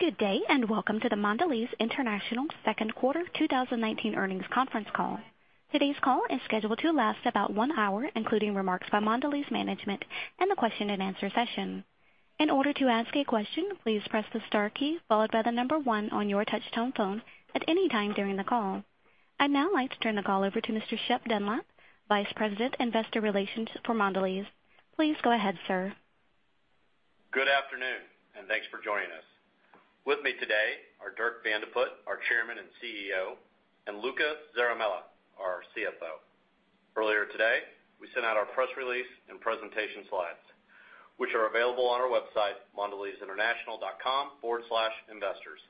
Good day, and Welcome to the Mondelēz International second quarter 2019 earnings conference call. Today's call is scheduled to last about one hour, including remarks by Mondelēz management and the question and answer session. In order to ask a question, please press the star key followed by the number one on your touch-tone phone at any time during the call. I'd now like to turn the call over to Mr. Shep Dunlap, Vice President, Investor Relations for Mondelēz. Please go ahead, sir. Good afternoon, and thanks for joining us. With me today are Dirk Van de Put, our Chairman and CEO, and Luca Zaramella, our CFO. Earlier today, we sent out our press release and presentation slides, which are available on our website, mondelezinternational.com/investors.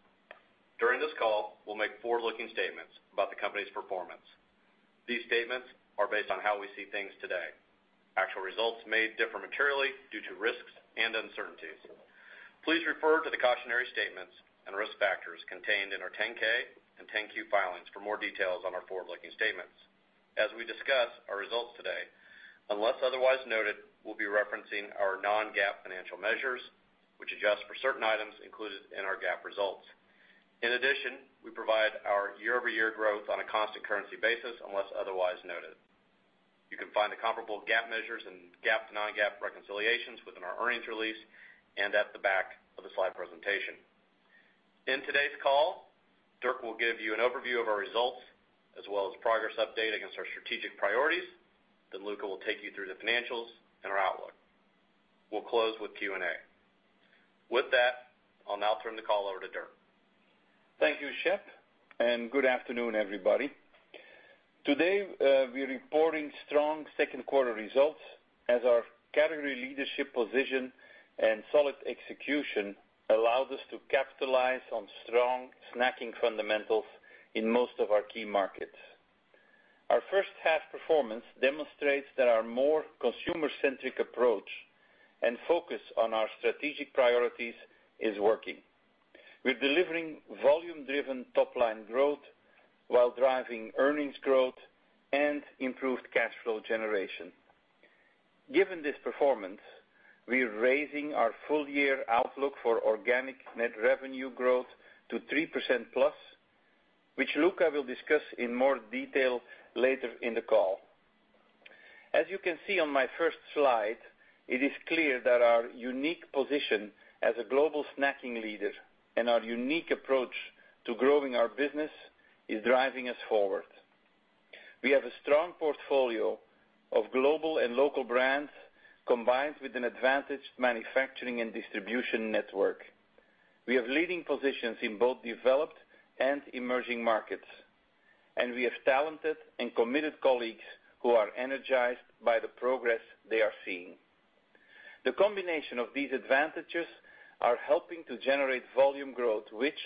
During this call, we will make forward-looking statements about the company's performance. These statements are based on how we see things today. Actual results may differ materially due to risks and uncertainties. Please refer to the cautionary statements and risk factors contained in our 10-K and 10-Q filings for more details on our forward-looking statements. As we discuss our results today, unless otherwise noted, we will be referencing our non-GAAP financial measures, which adjust for certain items included in our GAAP results. In addition, we provide our year-over-year growth on a constant currency basis, unless otherwise noted. You can find the comparable GAAP measures and GAAP to non-GAAP reconciliations within our earnings release and at the back of the slide presentation. In today's call, Dirk will give you an overview of our results, as well as progress update against our strategic priorities. Luca will take you through the financials and our outlook. We'll close with Q&A. With that, I'll now turn the call over to Dirk. Thank you, Shep. Good afternoon, everybody. Today, we're reporting strong second quarter results as our category leadership position and solid execution allowed us to capitalize on strong snacking fundamentals in most of our key markets. Our first half performance demonstrates that our more consumer-centric approach and focus on our strategic priorities is working. We're delivering volume-driven top-line growth while driving earnings growth and improved cash flow generation. Given this performance, we're raising our full year outlook for organic net revenue growth to 3%+, which Luca will discuss in more detail later in the call. As you can see on my first slide, it is clear that our unique position as a global snacking leader and our unique approach to growing our business is driving us forward. We have a strong portfolio of global and local brands, combined with an advantaged manufacturing and distribution network. We have leading positions in both developed and emerging markets, and we have talented and committed colleagues who are energized by the progress they are seeing. The combination of these advantages are helping to generate volume growth, which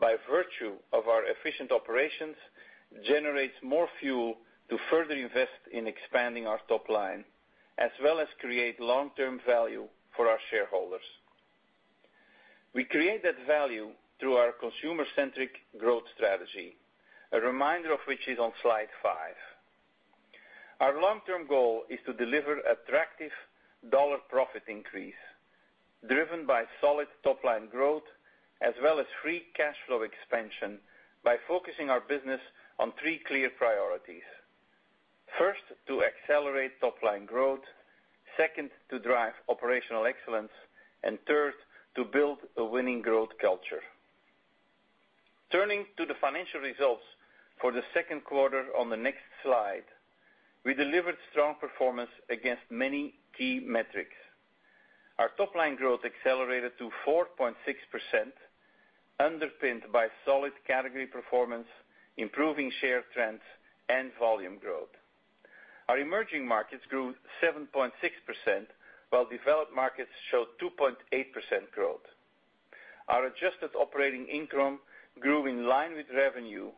by virtue of our efficient operations, generates more fuel to further invest in expanding our top line, as well as create long-term value for our shareholders. We create that value through our consumer-centric growth strategy, a reminder of which is on slide five. Our long-term goal is to deliver attractive dollar profit increase, driven by solid top-line growth as well as free cash flow expansion by focusing our business on three clear priorities. 1st, to accelerate top-line growth, second, to drive operational excellence, and third, to build a winning growth culture. Turning to the financial results for the second quarter on the next slide, we delivered strong performance against many key metrics. Our top-line growth accelerated to 4.6%, underpinned by solid category performance, improving share trends and volume growth. Our emerging markets grew 7.6%, while developed markets showed 2.8% growth. Our adjusted operating income grew in line with revenue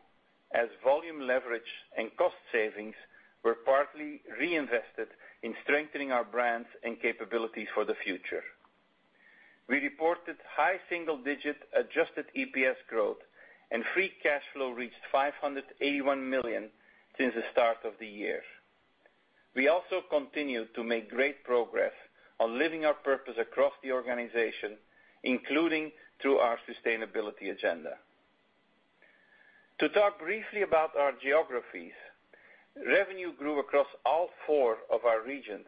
as volume leverage and cost savings were partly reinvested in strengthening our brands and capabilities for the future. We reported high single-digit adjusted EPS growth, and free cash flow reached $581 million since the start of the year. We also continue to make great progress on living our purpose across the organization, including through our sustainability agenda. To talk briefly about our geographies, revenue grew across all four of our regions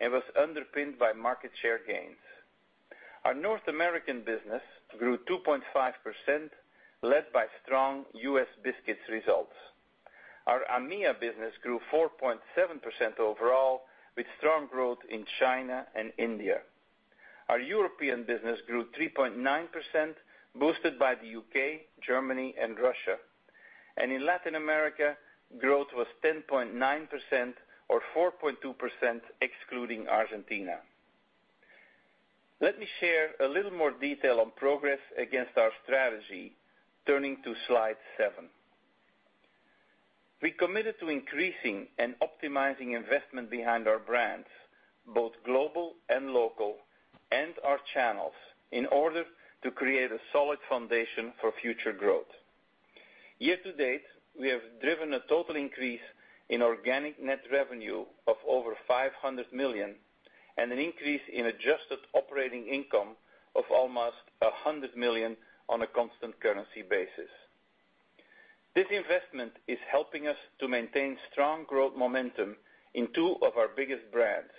and was underpinned by market share gains. Our North American business grew 2.5%, led by strong U.S. biscuits results. Our AMEA business grew 4.7% overall, with strong growth in China and India. Our European business grew 3.9%, boosted by the U.K., Germany, and Russia. In Latin America, growth was 10.9%, or 4.2% excluding Argentina. Let me share a little more detail on progress against our strategy, turning to slide seven. We committed to increasing and optimizing investment behind our brands, both global and local, and our channels in order to create a solid foundation for future growth. year-to-date, we have driven a total increase in organic net revenue of over $500 million, and an increase in adjusted Operating Income of almost $100 million on a constant currency basis. This investment is helping us to maintain strong growth momentum in two of our biggest brands,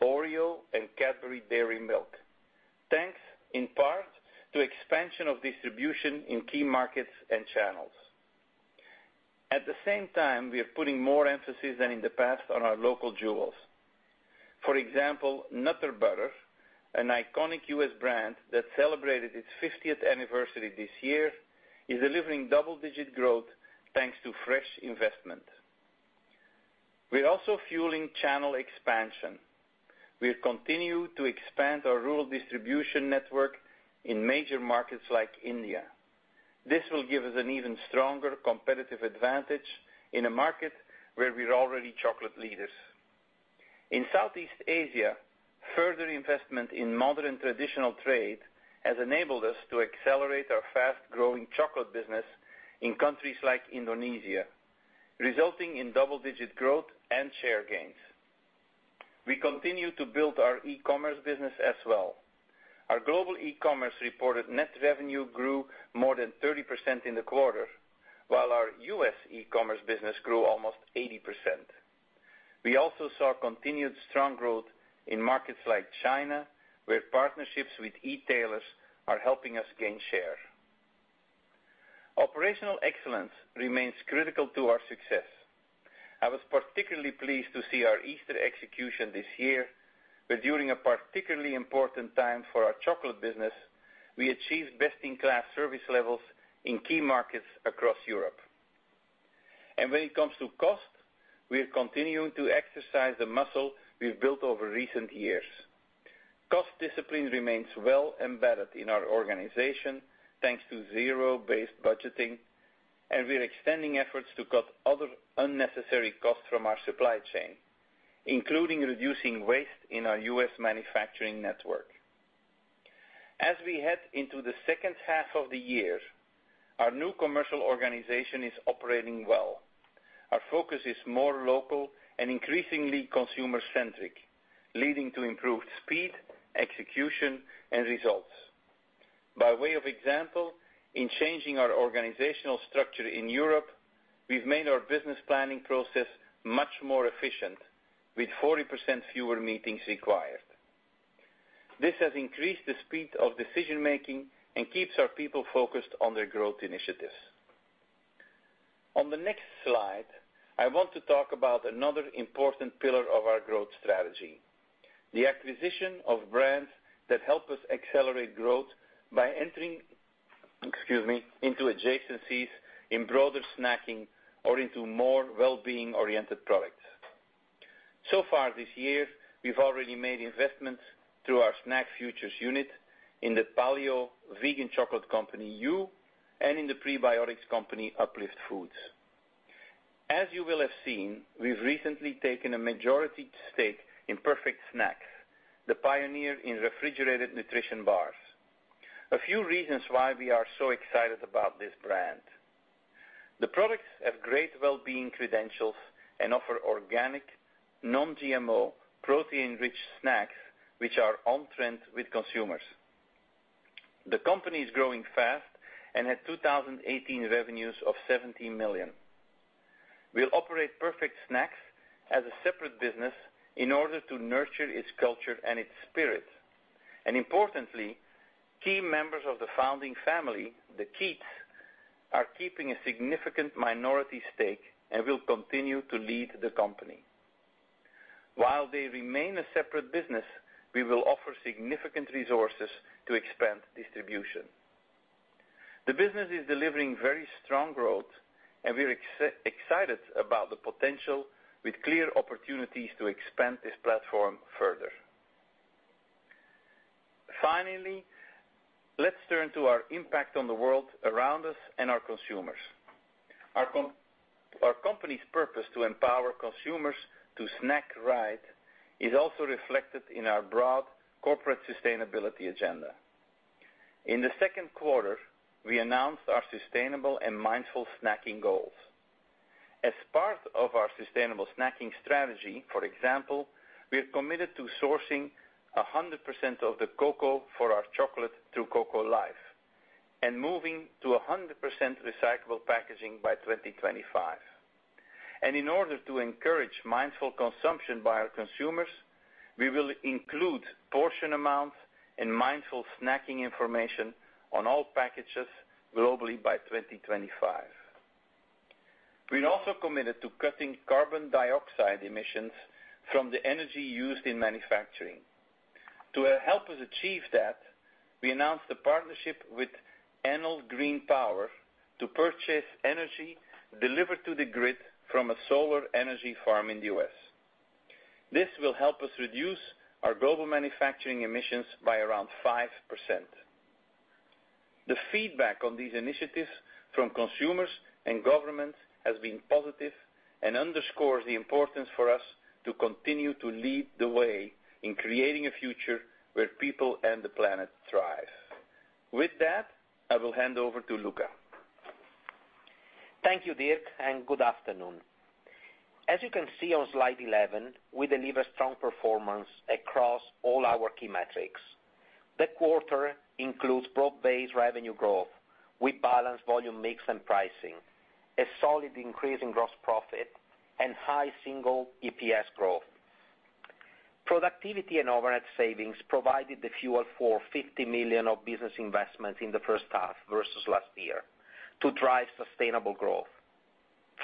Oreo and Cadbury Dairy Milk, thanks in part to expansion of distribution in key markets and channels. At the same time, we are putting more emphasis than in the past on our local jewels. For example, Nutter Butter, an iconic U.S. brand that celebrated its 50th anniversary this year, is delivering double-digit growth thanks to fresh investment. We're also fueling channel expansion. We'll continue to expand our rural distribution network in major markets like India. This will give us an even stronger competitive advantage in a market where we're already chocolate leaders. In Southeast Asia, further investment in modern traditional trade has enabled us to accelerate our fast-growing chocolate business in countries like Indonesia, resulting in double-digit growth and share gains. We continue to build our e-commerce business as well. Our global e-commerce reported net revenue grew more than 30% in the quarter, while our U.S. e-commerce business grew almost 80%. We also saw continued strong growth in markets like China, where partnerships with e-tailers are helping us gain share. Operational excellence remains critical to our success. I was particularly pleased to see our Easter execution this year, where during a particularly important time for our chocolate business, we achieved best-in-class service levels in key markets across Europe. When it comes to cost, we're continuing to exercise the muscle we've built over recent years. Cost discipline remains well embedded in our organization, thanks to zero-based budgeting, and we're extending efforts to cut other unnecessary costs from our supply chain, including reducing waste in our U.S. manufacturing network. As we head into the second half of the year, our new commercial organization is operating well. Our focus is more local and increasingly consumer-centric, leading to improved speed, execution, and results. By way of example, in changing our organizational structure in Europe, we've made our business planning process much more efficient, with 40% fewer meetings required. This has increased the speed of decision-making and keeps our people focused on their growth initiatives. On the next slide, I want to talk about another important pillar of our growth strategy, the acquisition of brands that help us accelerate growth by entering, excuse me, into adjacencies in broader snacking or into more wellbeing-oriented products. This year, we've already made investments through our SnackFutures unit in the paleo vegan chocolate company, Hu, and in the prebiotics company, Uplift Food. As you will have seen, we've recently taken a majority stake in Perfect Snacks, the pioneer in refrigerated nutrition bars. A few reasons why we are so excited about this brand. The products have great wellbeing credentials and offer organic, non-GMO, protein-rich snacks, which are on-trend with consumers. The company is growing fast and had 2018 revenues of $70 million. We'll operate Perfect Snacks as a separate business in order to nurture its culture and its spirit. Importantly, key members of the founding family, the Keiths, are keeping a significant minority stake and will continue to lead the company. While they remain a separate business, we will offer significant resources to expand distribution. The business is delivering very strong growth, and we're excited about the potential with clear opportunities to expand this platform further. Finally, let's turn to our impact on the world around us and our consumers. Our company's purpose to empower consumers to snack right is also reflected in our broad corporate sustainability agenda. In the second quarter, we announced our sustainable and mindful snacking goals. As part of our sustainable snacking strategy, for example, we are committed to sourcing 100% of the cocoa for our chocolate through Cocoa Life and moving to 100% recyclable packaging by 2025. In order to encourage mindful consumption by our consumers, we will include portion amount and mindful snacking information on all packages globally by 2025. We're also committed to cutting carbon dioxide emissions from the energy used in manufacturing. To help us achieve that, we announced a partnership with Enel Green Power to purchase energy delivered to the grid from a solar energy farm in the U.S. This will help us reduce our global manufacturing emissions by around 5%. The feedback on these initiatives from consumers and governments has been positive. Underscores the importance for us to continue to lead the way in creating a future where people and the planet thrive. With that, I will hand over to Luca. Thank you, Dirk, good afternoon. As you can see on slide 11, we deliver strong performance across all our key metrics. The quarter includes broad-based revenue growth with balanced volume mix and pricing, a solid increase in gross profit, and high single EPS growth. Productivity and overhead savings provided the fuel for $50 million of business investments in the first half versus last year to drive sustainable growth.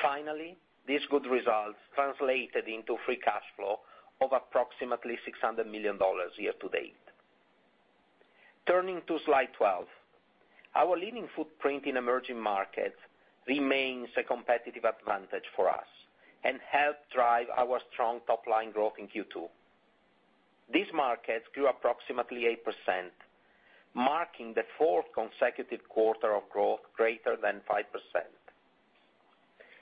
Finally, these good results translated into free cash flow of approximately $600 million year-to-date. Turning to slide 12. Our leading footprint in emerging markets remains a competitive advantage for us and helped drive our strong top-line growth in Q2. These markets grew approximately 8%, marking the fourth consecutive quarter of growth greater than 5%.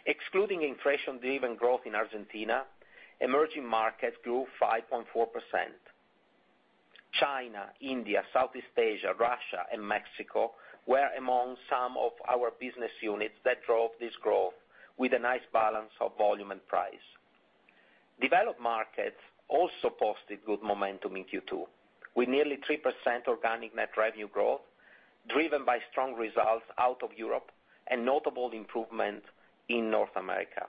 Excluding inflation-driven growth in Argentina, emerging markets grew 5.4%. China, India, Southeast Asia, Russia, and Mexico were among some of our business units that drove this growth with a nice balance of volume and price. Developed markets also posted good momentum in Q2, with nearly 3% organic net revenue growth, driven by strong results out of Europe and notable improvement in North America.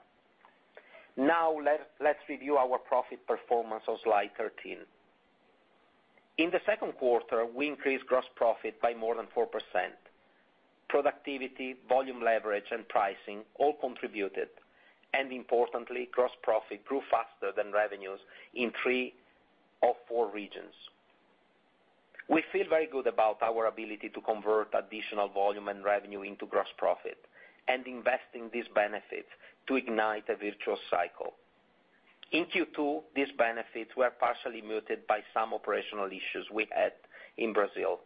Let's review our profit performance on slide 13. In the second quarter, we increased gross profit by more than 4%. Productivity, volume leverage, and pricing all contributed, and importantly, gross profit grew faster than revenues in three of four regions. We feel very good about our ability to convert additional volume and revenue into gross profit and investing these benefits to ignite a virtuous cycle. In Q2, these benefits were partially muted by some operational issues we had in Brazil.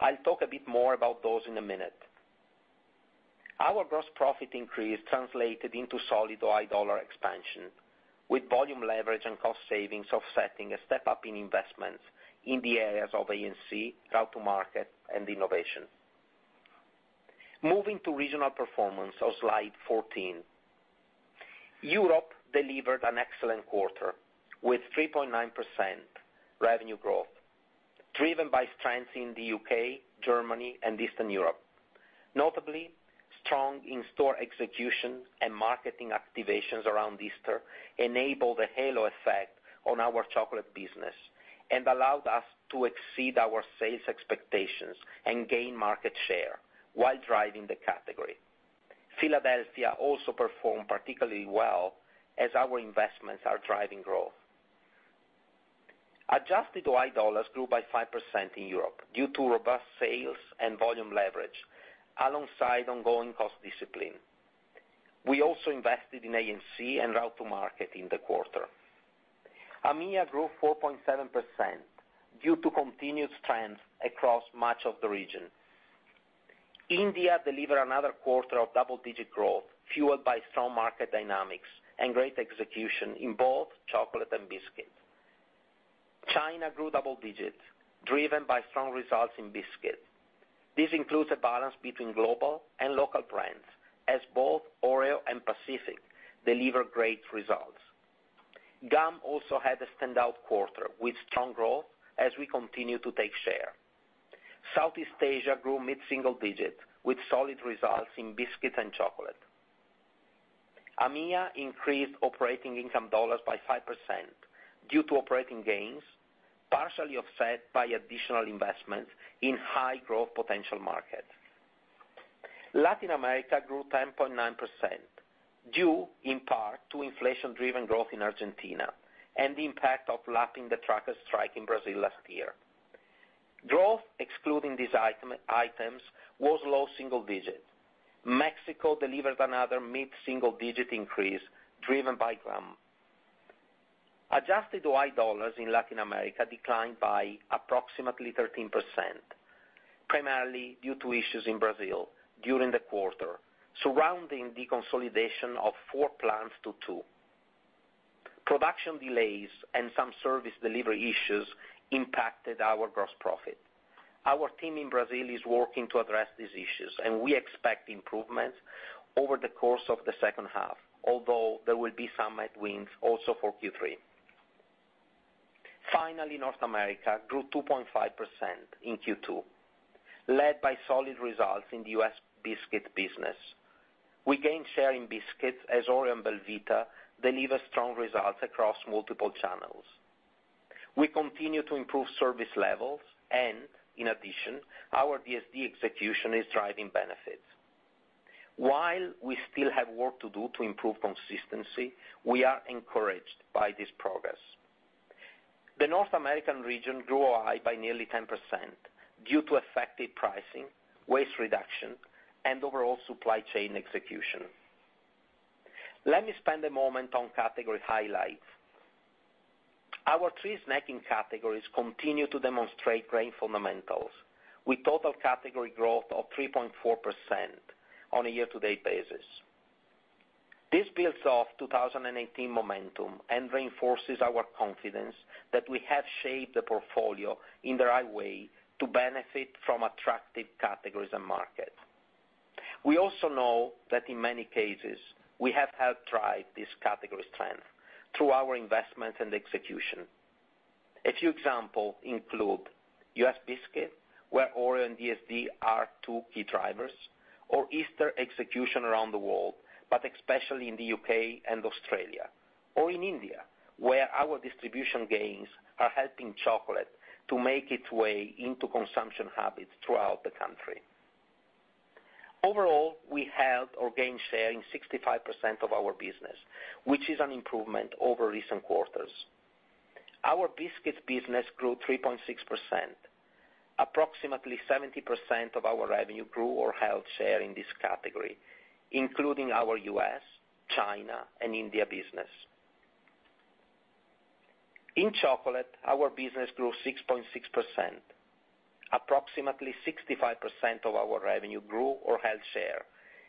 I'll talk a bit more about those in a minute. Our gross profit increase translated into solid OI dollar expansion, with volume leverage and cost savings offsetting a step-up in investments in the areas of A&C, go-to-market, and innovation. Moving to regional performance on slide 14. Europe delivered an excellent quarter, with 3.9% revenue growth, driven by strengths in the U.K., Germany, and Eastern Europe. Notably, strong in-store execution and marketing activations around Easter enabled a halo effect on our chocolate business and allowed us to exceed our sales expectations and gain market share while driving the category. Philadelphia also performed particularly well as our investments are driving growth. Adjusted OI dollars grew by 5% in Europe due to robust sales and volume leverage alongside ongoing cost discipline. We also invested in A&C and route to market in the quarter. EMEA grew 4.7% due to continued strength across much of the region. India delivered another quarter of double-digit growth, fueled by strong market dynamics and great execution in both chocolate and biscuits. China grew double digits, driven by strong results in biscuits. This includes a balance between global and local brands, as both Oreo and Pacific delivered great results. Gum also had a standout quarter, with strong growth as we continue to take share. Southeast Asia grew mid-single digit with solid results in biscuits and chocolate. EMEA increased operating income dollars by 5% due to operating gains, partially offset by additional investments in high growth potential markets. Latin America grew 10.9%, due in part to inflation-driven growth in Argentina and the impact of lapping the trucker strike in Brazil last year. Growth, excluding these items, was low single digit. Mexico delivered another mid-single-digit increase driven by gum. Adjusted OI dollars in Latin America declined by approximately 13%, primarily due to issues in Brazil during the quarter surrounding the consolidation of four plants to two. Production delays and some service delivery issues impacted our gross profit. Our team in Brazil is working to address these issues, and we expect improvements over the course of the second half, although there will be some headwinds also for Q3. North America grew 2.5% in Q2, led by solid results in the U.S. biscuit business. We gained share in biscuits as Oreo and belVita delivered strong results across multiple channels. We continue to improve service levels, and in addition, our DSD execution is driving benefits. While we still have work to do to improve consistency, we are encouraged by this progress. The North American region grew OI by nearly 10% due to effective pricing, waste reduction, and overall supply chain execution. Let me spend a moment on category highlights. Our three snacking categories continue to demonstrate great fundamentals, with total category growth of 3.4% on a year-to-date basis. This builds off 2018 momentum and reinforces our confidence that we have shaped the portfolio in the right way to benefit from attractive categories and market. We also know that in many cases, we have helped drive this category's strength through our investments and execution. A few examples include U.S. biscuit, where Oreo and DSD are two key drivers, or Easter execution around the world, but especially in the U.K. and Australia, or in India, where our distribution gains are helping chocolate to make its way into consumption habits throughout the country. Overall, we held or gained share in 65% of our business, which is an improvement over recent quarters. Our biscuits business grew 3.6%. Approximately 70% of our revenue grew or held share in this category, including our U.S., China, and India business. In chocolate, our business grew 6.6%. Approximately 65% of our revenue grew or held share,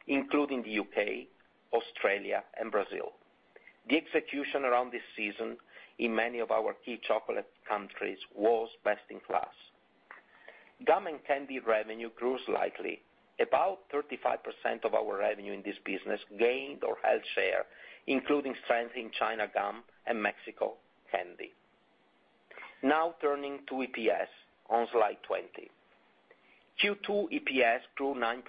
including the U.K., Australia, and Brazil. The execution around this season in many of our key chocolate countries was best in class. Gum and candy revenue grew slightly. About 35% of our revenue in this business gained or held share, including strength in China gum and Mexico candy. Now turning to EPS on slide 20. Q2 EPS grew 9%.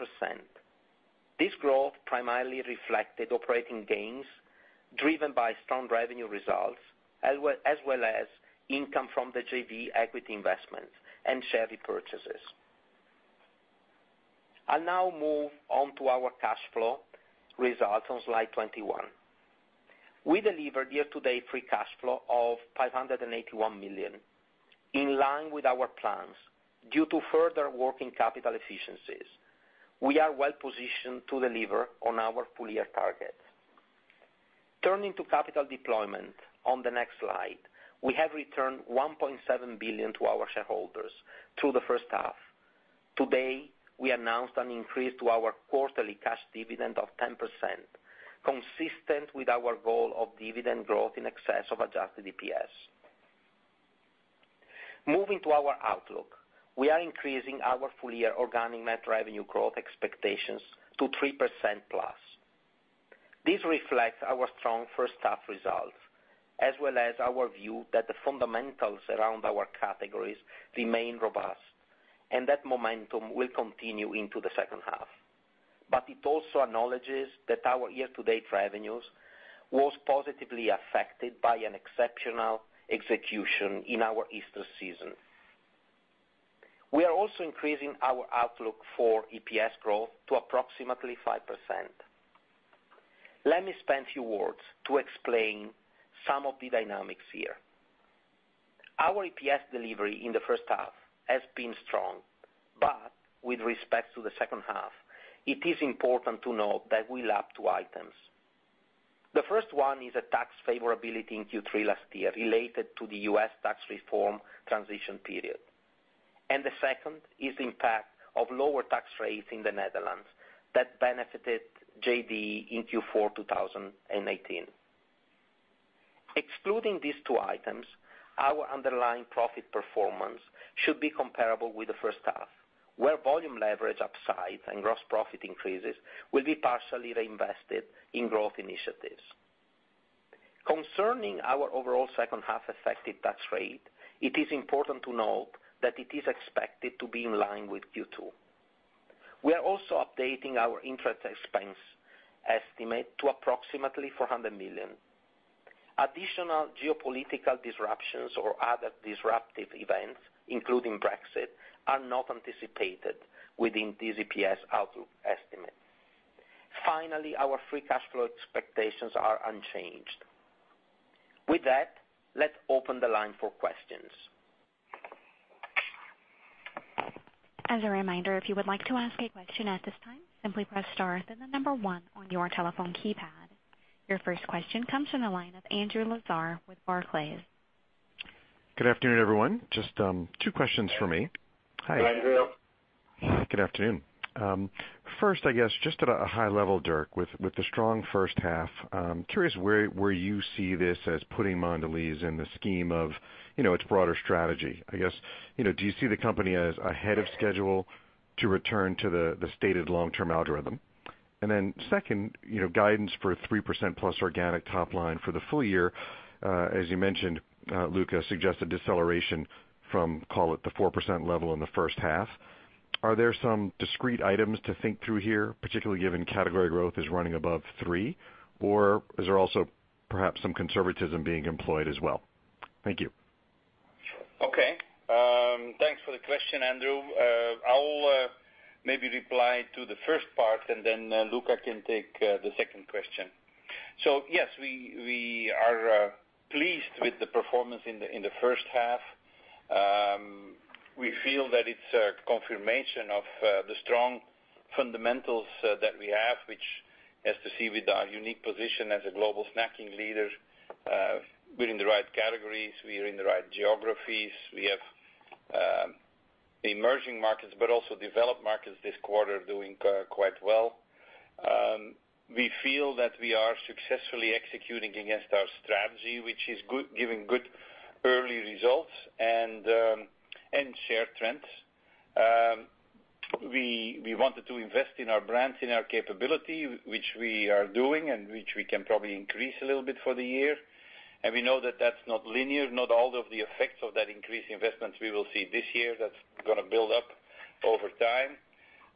This growth primarily reflected operating gains driven by strong revenue results, as well as income from the JV equity investments and share repurchases. I'll now move on to our cash flow results on slide 21. We delivered year-to-date free cash flow of $581 million, in line with our plans. Due to further working capital efficiencies, we are well positioned to deliver on our full-year targets. Turning to capital deployment on the next slide, we have returned $1.7 billion to our shareholders through the first half. Today, we announced an increase to our quarterly cash dividend of 10%, consistent with our goal of dividend growth in excess of adjusted EPS. Moving to our outlook, we are increasing our full-year organic net revenue growth expectations to 3%+. This reflects our strong first half results, as well as our view that the fundamentals around our categories remain robust, and that momentum will continue into the second half. It also acknowledges that our year-to-date revenues was positively affected by an exceptional execution in our Easter season. We are also increasing our outlook for EPS growth to approximately 5%. Let me spend a few words to explain some of the dynamics here. Our EPS delivery in the first half has been strong, but with respect to the second half, it is important to note that we lap two items. The 1st one is a tax favorability in Q3 last year related to the U.S. tax reform transition period. The 2nd is impact of lower tax rates in the Netherlands that benefited JDE in Q4 2018. Excluding these two items, our underlying profit performance should be comparable with the first half, where volume leverage upside and gross profit increases will be partially reinvested in growth initiatives. Concerning our overall second half effective tax rate, it is important to note that it is expected to be in line with Q2. We are also updating our interest expense estimate to approximately $400 million. Additional geopolitical disruptions or other disruptive events, including Brexit, are not anticipated within this EPS outlook estimate. Finally, our free cash flow expectations are unchanged. With that, let's open the line for questions. As a reminder, if you would like to ask a question at this time, simply press star, then the number one on your telephone keypad. Your 1st question comes from the line of Andrew Lazar with Barclays. Good afternoon, everyone. Just two questions from me. Hi, Andrew. Good afternoon. 1st, I guess just at a high level, Dirk, with the strong first half, I'm curious where you see this as putting Mondelēz in the scheme of its broader strategy. I guess, do you see the company as ahead of schedule to return to the stated long-term algorithm? 2nd, guidance for 3% plus organic top line for the full year, as you mentioned, Luca, suggested deceleration from call it the 4% level in the first half. Are there some discrete items to think through here, particularly given category growth is running above three? Is there also perhaps some conservatism being employed as well? Thank you. Okay. Thanks for the question, Andrew. I'll maybe reply to the 1st part, and then Luca can take the 2nd question. Yes, we are pleased with the performance in the first half. We feel that it's a confirmation of the strong fundamentals that we have, which has to see with our unique position as a global snacking leader. We're in the right categories, we are in the right geographies. Developed markets this quarter doing quite well. We feel that we are successfully executing against our strategy, which is giving good early results and share trends. We wanted to invest in our brands, in our capability, which we are doing, which we can probably increase a little bit for the year. We know that that's not linear. Not all of the effects of that increased investment we will see this year. That's going to build up over time.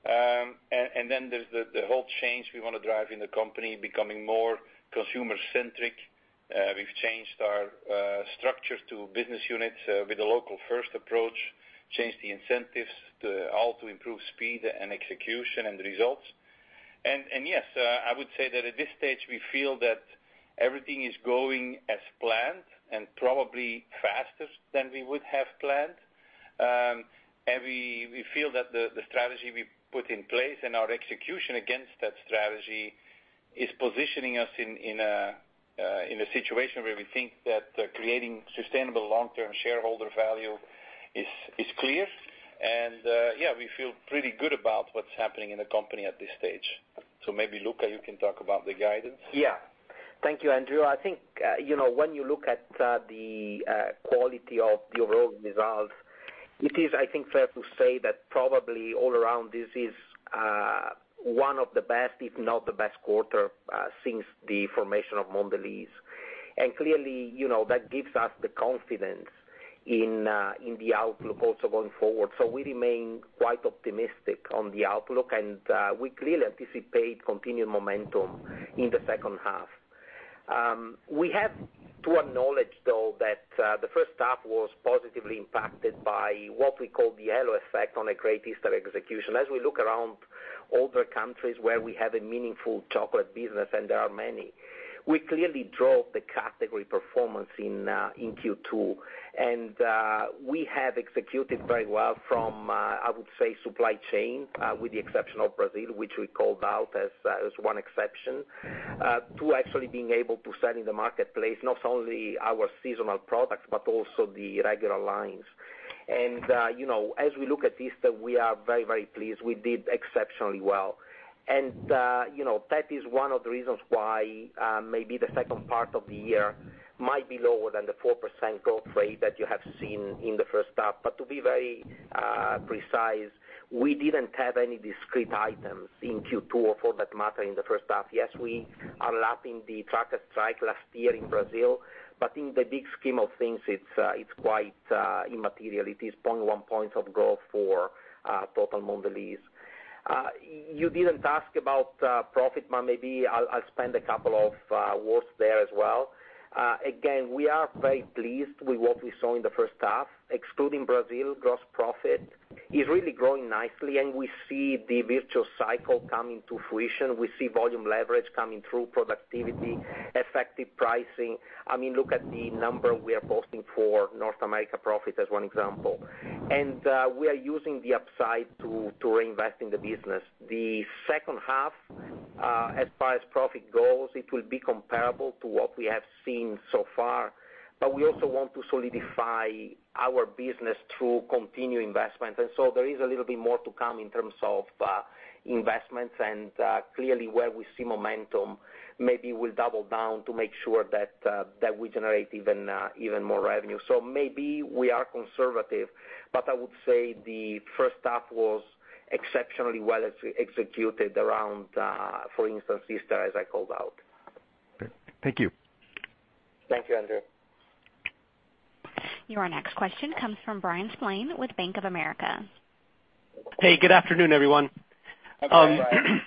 There's the whole change we want to drive in the company becoming more consumer centric. We've changed our structure to business units with a local first approach, changed the incentives, all to improve speed and execution and results. Yes, I would say that at this stage, we feel that everything is going as planned and probably faster than we would have planned. We feel that the strategy we put in place and our execution against that strategy is positioning us in a situation where we think that creating sustainable long-term shareholder value is clear. Yeah, we feel pretty good about what's happening in the company at this stage. Maybe, Luca, you can talk about the guidance. Thank you. Andrew, I think when you look at the quality of the overall results, it is, I think fair to say that probably all around this is one of the best, if not the best quarter since the formation of Mondelēz. Clearly, that gives us the confidence in the outlook also going forward. We remain quite optimistic on the outlook and we clearly anticipate continued momentum in the second half. We have to acknowledge, though, that the first half was positively impacted by what we call the halo effect on a great Easter execution. As we look around all the countries where we have a meaningful chocolate business, and there are many, we clearly drove the category performance in Q2, and we have executed very well from, I would say, supply chain, with the exception of Brazil, which we called out as one exception, to actually being able to sell in the marketplace not only our seasonal products, but also the regular lines. As we look at Easter, we are very, very pleased. We did exceptionally well. That is one of the reasons why maybe the second part of the year might be lower than the 4% growth rate that you have seen in the first half. To be very precise, we didn't have any discrete items in Q2, or for that matter, in the first half. Yes, we are lapping the trucker strike last year in Brazil, but in the big scheme of things, it's quite immaterial. It is 0.1 points of growth for total Mondelēz. You didn't ask about profit, but maybe I'll spend a couple of words there as well. Again, we are very pleased with what we saw in the first half. Excluding Brazil, gross profit is really growing nicely, and we see the virtual cycle coming to fruition. We see volume leverage coming through productivity, effective pricing. Look at the number we are boasting for North America profit as one example. We are using the upside to reinvest in the business. The second half, as far as profit goes, it will be comparable to what we have seen so far, but we also want to solidify our business through continued investment. There is a little bit more to come in terms of investments. Clearly where we see momentum, maybe we'll double down to make sure that we generate even more revenue. Maybe we are conservative, but I would say the first half was exceptionally well executed around, for instance, Easter, as I called out. Okay. Thank you. Thank you, Andrew. Your next question comes from Bryan Spillane with Bank of America. Hey, good afternoon, everyone. Hi, Bryan.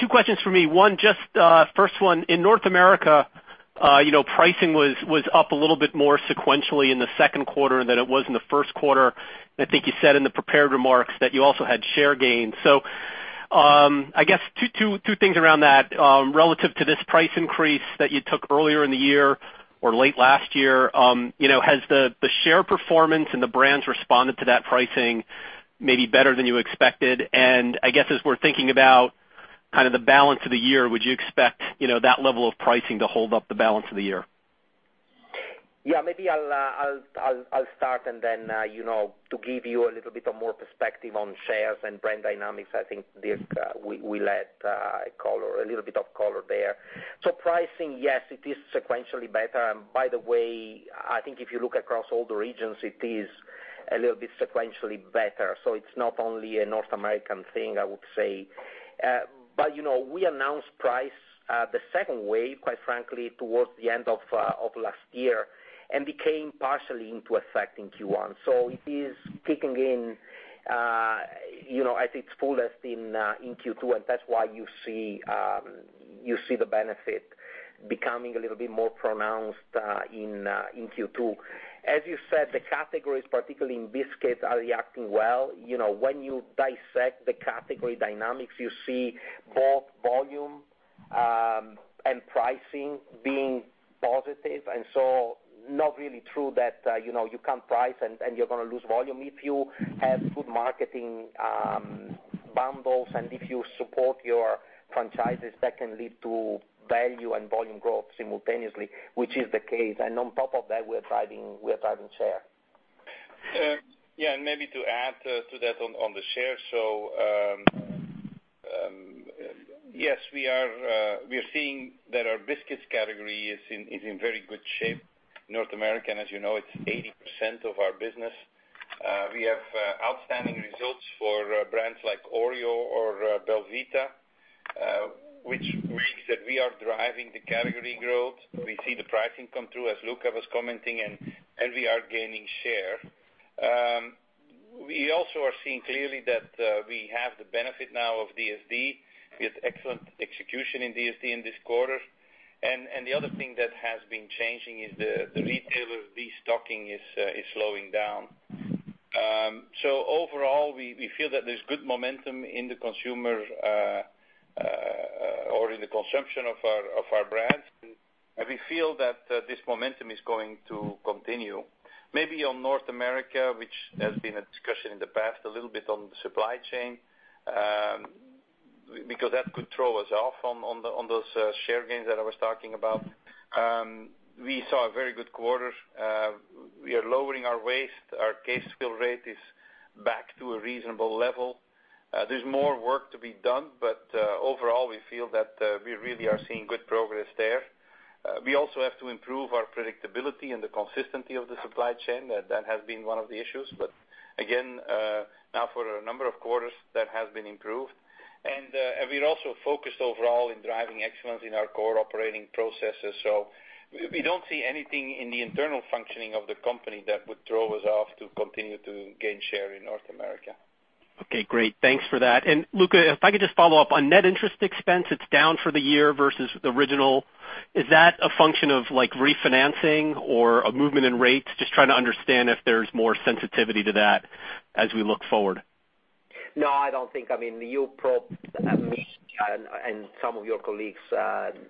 Two questions for me. One, just 1st one. In North America, pricing was up a little bit more sequentially in the second quarter than it was in the first quarter. I think you said in the prepared remarks that you also had share gains. I guess two things around that. Relative to this price increase that you took earlier in the year or late last year, has the share performance and the brands responded to that pricing maybe better than you expected? I guess as we're thinking about the balance of the year, would you expect that level of pricing to hold up the balance of the year? Yeah, maybe I'll start to give you a little bit of more perspective on shares and brand dynamics, I think, Dirk will add a little bit of color there. Pricing, yes, it is sequentially better. By the way, I think if you look across all the regions, it is a little bit sequentially better. It's not only a North American thing, I would say. We announced price the second wave, quite frankly, towards the end of last year, and became partially into effect in Q1. It is kicking in at its fullest in Q2, and that's why you see the benefit becoming a little bit more pronounced in Q2. As you said, the categories, particularly in biscuits, are reacting well. When you dissect the category dynamics, you see both volume and pricing being positive. Not really true that you can't price and you're going to lose volume. If you have good marketing bundles and if you support your franchises, that can lead to value and volume growth simultaneously, which is the case. On top of that, we're driving share. Yeah, maybe to add to that on the share. Yes, we are seeing that our biscuits category is in very good shape. North America, as you know, it's 80% of our business. We have outstanding results for brands like Oreo or belVita, which means that we are driving the category growth. We see the pricing come through, as Luca was commenting, we are gaining share. We also are seeing clearly that we have the benefit now of DSD, with excellent execution in DSD in this quarter. The other thing that has been changing is the retailer de-stocking is slowing down. Overall, we feel that there's good momentum in the consumer or in the consumption of our brands. We feel that this momentum is going to continue. Maybe on North America, which there has been a discussion in the past a little bit on the supply chain, because that could throw us off on those share gains that I was talking about. We saw a very good quarter. We are lowering our waste. Our case fill rate is back to a reasonable level. Overall, we feel that we really are seeing good progress there. We also have to improve our predictability and the consistency of the supply chain. That has been one of the issues. Again, now for a number of quarters, that has been improved. We are also focused overall in driving excellence in our core operating processes. We don't see anything in the internal functioning of the company that would throw us off to continue to gain share in North America. Okay, great. Thanks for that. Luca, if I could just follow up. On net interest expense, it's down for the year versus the original. Is that a function of refinancing or a movement in rates? Just trying to understand if there's more sensitivity to that as we look forward. No, I don't think you probed me and some of your colleagues,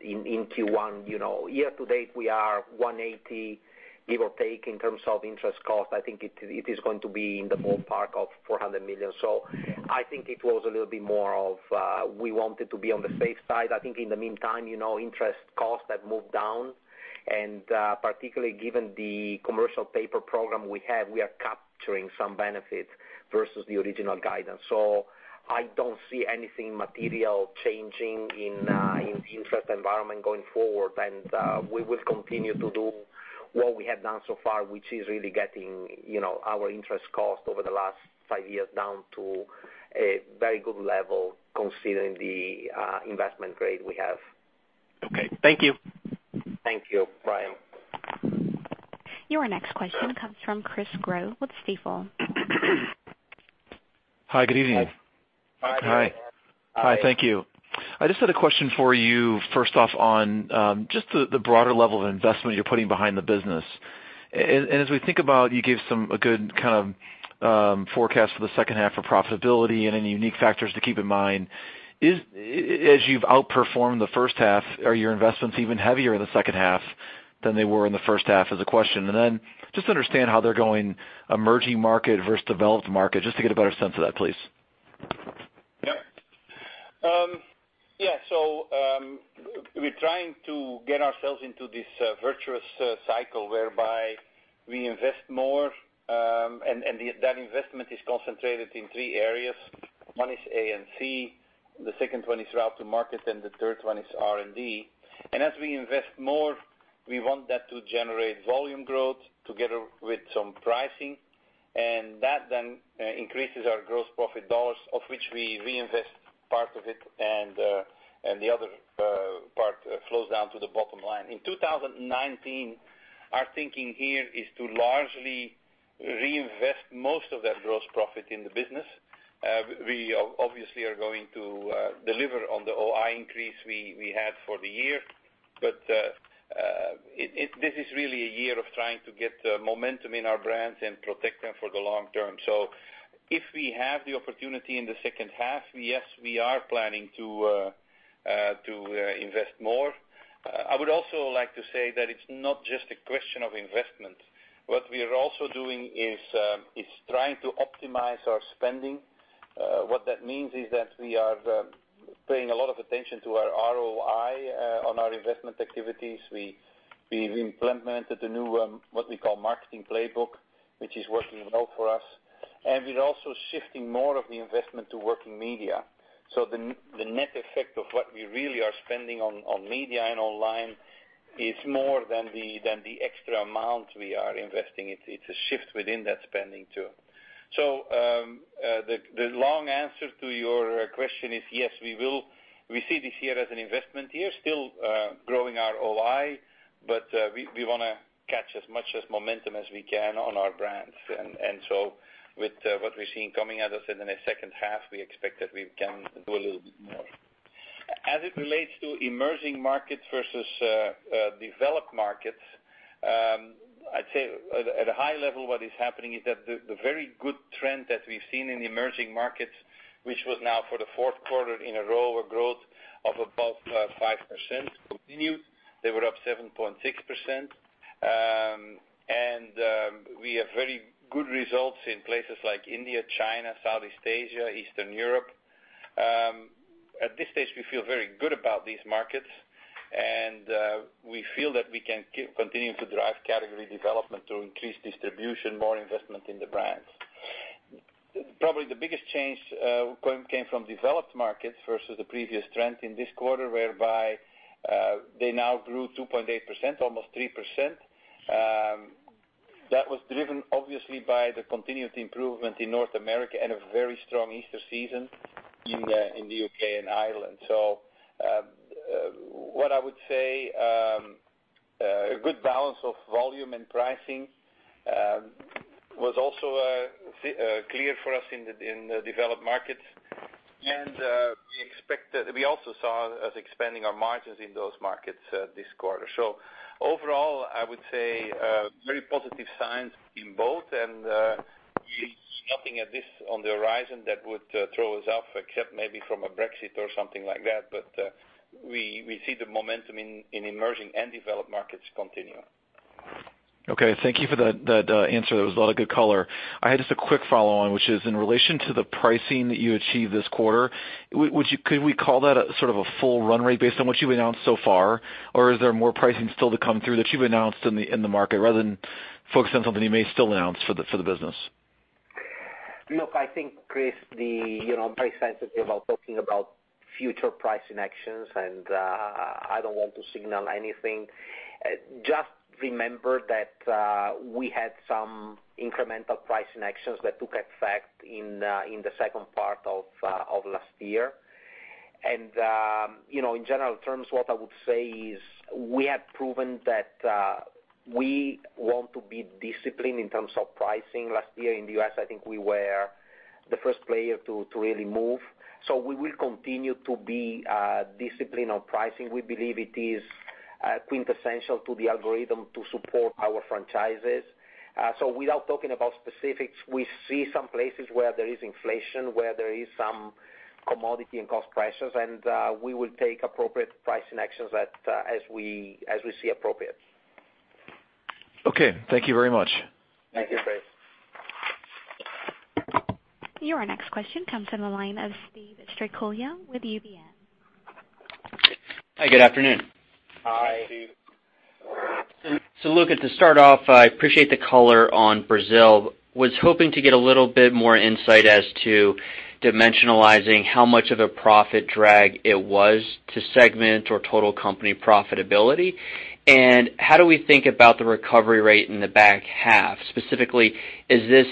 in Q1. year-to-date, we are $180, give or take, in terms of interest cost. I think it is going to be in the ballpark of $400 million. I think it was a little bit more of, we wanted to be on the safe side. I think in the meantime, interest costs have moved down, and particularly given the commercial paper program we have, we are capturing some benefits versus the original guidance. I don't see anything material changing in the interest environment going forward. We will continue to do what we have done so far, which is really getting our interest cost over the last five years down to a very good level, considering the investment grade we have. Okay. Thank you. Thank you, Bryan. Your next question comes from Chris Growe with Stifel. Hi, good evening. Hi. Hi. Hi, thank you. I just had a question for you, first off, on just the broader level of investment you're putting behind the business. As we think about, you gave a good kind of forecast for the second half for profitability and any unique factors to keep in mind. As you've outperformed the first half, are your investments even heavier in the second half than they were in the first half, is the question. Then just understand how they're going emerging market versus developed market, just to get a better sense of that, please. Yeah. We're trying to get ourselves into this virtuous cycle whereby we invest more, and that investment is concentrated in three areas. One is A&C, the second one is route to market, and the third one is R&D. As we invest more, we want that to generate volume growth together with some pricing, and that then increases our gross profit dollars, of which we reinvest part of it and the other part flows down to the bottom line. In 2019, our thinking here is to largely reinvest most of that gross profit in the business. We obviously are going to deliver on the OI increase we had for the year. This is really a year of trying to get momentum in our brands and protect them for the long term. If we have the opportunity in the second half, yes, we are planning to invest more. I would also like to say that it's not just a question of investment. What we are also doing is trying to optimize our spending. What that means is that we are paying a lot of attention to our ROI on our investment activities. We've implemented a new, what we call marketing playbook, which is working well for us. We're also shifting more of the investment to working media. The net effect of what we really are spending on media and online is more than the extra amount we are investing. It's a shift within that spending, too. The long answer to your question is, yes, we see this year as an investment year, still growing our OI, but we want to catch as much as momentum as we can on our brands. With what we're seeing coming at us in the second half, we expect that we can do a little bit more. As it relates to emerging markets versus developed markets, I'd say at a high level, what is happening is that the very good trend that we've seen in the emerging markets, which was now for the fourth quarter in a row, a growth of above 5% continued. They were up 7.6%. We have very good results in places like India, China, Southeast Asia, Eastern Europe. At this stage, we feel very good about these markets, and we feel that we can keep continuing to drive category development to increase distribution, more investment in the brands. Probably the biggest change came from developed markets versus the previous trend in this quarter, whereby they now grew 2.8%, almost 3%. That was driven obviously by the continued improvement in North America and a very strong Easter season in the U.K. and Ireland. What I would say, a good balance of volume and pricing was also clear for us in the developed markets. We also saw us expanding our margins in those markets this quarter. Overall, I would say very positive signs in both. We see nothing at this on the horizon that would throw us off except maybe from a Brexit or something like that. We see the momentum in emerging and developed markets continue. Okay. Thank you for that answer. That was a lot of good color. I had just a quick follow-on, which is in relation to the pricing that you achieved this quarter, could we call that a full run rate based on what you've announced so far? Is there more pricing still to come through that you've announced in the market rather than focus on something you may still announce for the business? Look, I think, Chris, I'm very sensitive about talking about future pricing actions, and I don't want to signal anything. Just remember that we had some incremental pricing actions that took effect in the second part of last year. In general terms, what I would say is we have proven that we want to be disciplined in terms of pricing. Last year in the U.S., I think we were the first player to really move. We will continue to be disciplined on pricing. We believe it is quintessential to the algorithm to support our franchises. Without talking about specifics, we see some places where there is inflation, where there is some commodity and cost pressures, and we will take appropriate pricing actions as we see appropriate. Okay. Thank you very much. Thank you, Chris. Your next question comes from the line of Steve Strycula with UBS. Hi, good afternoon. Hi, Steve. Luca, to start off, I appreciate the color on Brazil. I was hoping to get a little bit more insight as to dimensionalizing how much of a profit drag it was to segment or total company profitability. How do we think about the recovery rate in the back half? Specifically, is this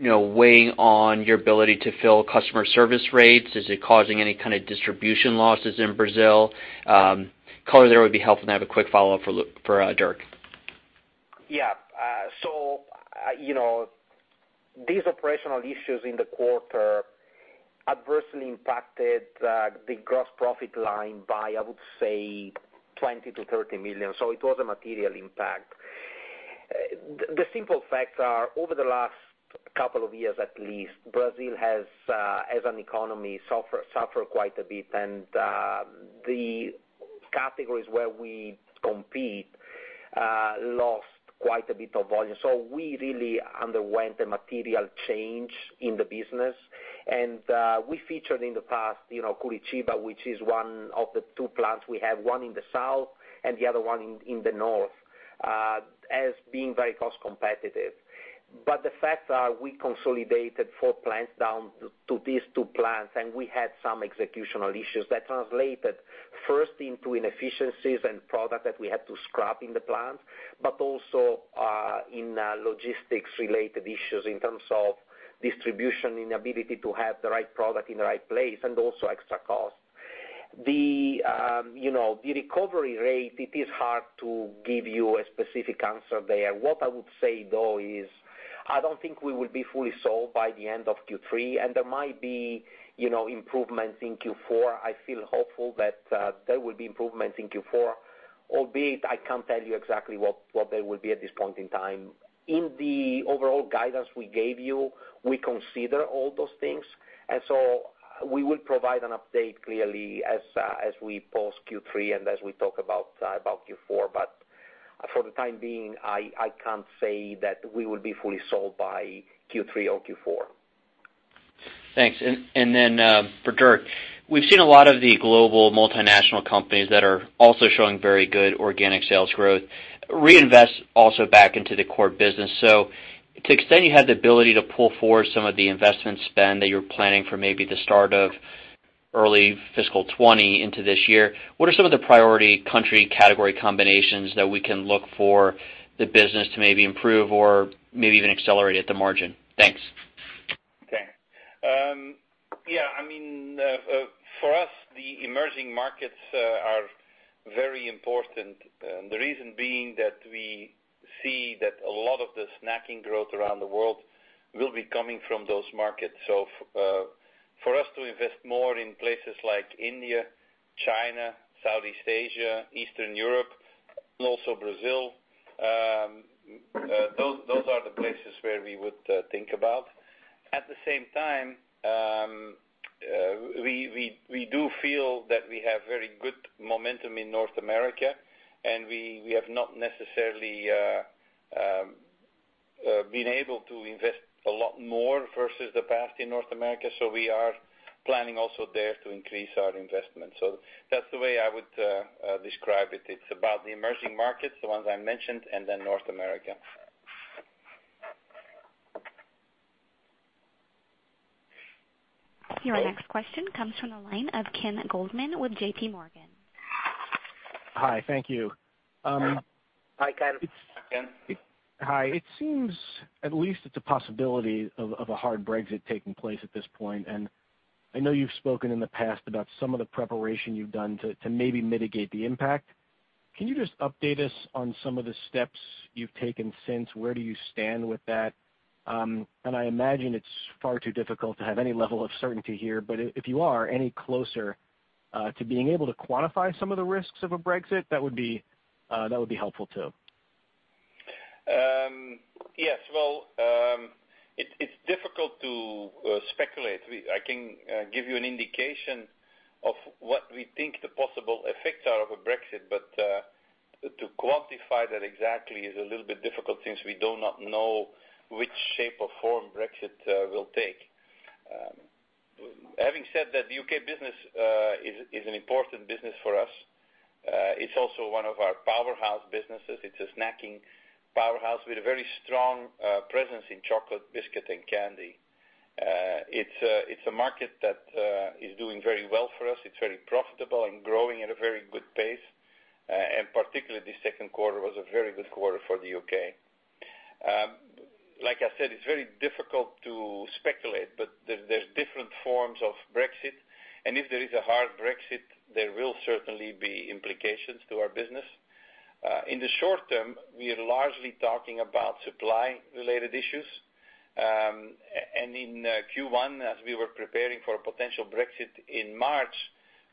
weighing on your ability to fill customer service rates? Is it causing any kind of distribution losses in Brazil? Color there would be helpful. I have a quick follow-up for Dirk. Yeah. These operational issues in the quarter adversely impacted the gross profit line by, I would say, $20 million-$30 million. It was a material impact. The simple facts are, over the last couple of years at least, Brazil has, as an economy, suffered quite a bit. The categories where we compete lost quite a bit of volume. We really underwent a material change in the business. We featured in the past, Curitiba, which is one of the two plants we have, one in the south and the other one in the north, as being very cost competitive. The facts are we consolidated four plants down to these two plants, and we had some executional issues that translated. 1st Into inefficiencies and product that we had to scrap in the plant, but also in logistics related issues in terms of distribution, inability to have the right product in the right place, and also extra cost. The recovery rate, it is hard to give you a specific answer there. What I would say, though, is I don't think we will be fully sold by the end of Q3, and there might be improvements in Q4. I feel hopeful that there will be improvements in Q4, albeit I can't tell you exactly what they will be at this point in time. In the overall guidance we gave you, we consider all those things. We will provide an update clearly as we post Q3 and as we talk about Q4. For the time being, I can't say that we will be fully sold by Q3 or Q4. Thanks. For Dirk, we've seen a lot of the global multinational companies that are also showing very good organic sales growth reinvest also back into the core business. To the extent you had the ability to pull forward some of the investment spend that you're planning for maybe the start of early fiscal 2020 into this year, what are some of the priority country category combinations that we can look for the business to maybe improve or maybe even accelerate at the margin? Thanks. Thanks. Yeah, for us, the emerging markets are very important. The reason being that we see that a lot of the snacking growth around the world will be coming from those markets. For us to invest more in places like India, China, Southeast Asia, Eastern Europe, and also Brazil. Those are the places where we would think about. At the same time, we do feel that we have very good momentum in North America, and we have not necessarily been able to invest a lot more versus the past in North America. We are planning also there to increase our investment. That's the way I would describe it. It's about the emerging markets, the ones I mentioned, and then North America. Your next question comes from the line of Ken Goldman with JPMorgan. Hi, thank you. Hi, Ken. Hi. It seems at least it's a possibility of a hard Brexit taking place at this point. I know you've spoken in the past about some of the preparation you've done to maybe mitigate the impact. Can you just update us on some of the steps you've taken since? Where do you stand with that? I imagine it's far too difficult to have any level of certainty here, but if you are any closer to being able to quantify some of the risks of a Brexit, that would be helpful, too. Yes. Well, it's difficult to speculate. To quantify that exactly is a little bit difficult since we do not know which shape or form Brexit will take. Having said that, the U.K. business is an important business for us. It's also one of our powerhouse businesses. It's a snacking powerhouse with a very strong presence in chocolate, biscuit, and candy. It's a market that is doing very well for us. It's very profitable and growing at a very good pace. Particularly this second quarter was a very good quarter for the U.K. Like I said, it's very difficult to speculate, there's different forms of Brexit, if there is a hard Brexit, there will certainly be implications to our business. In the short term, we are largely talking about supply-related issues. In Q1, as we were preparing for a potential Brexit in March,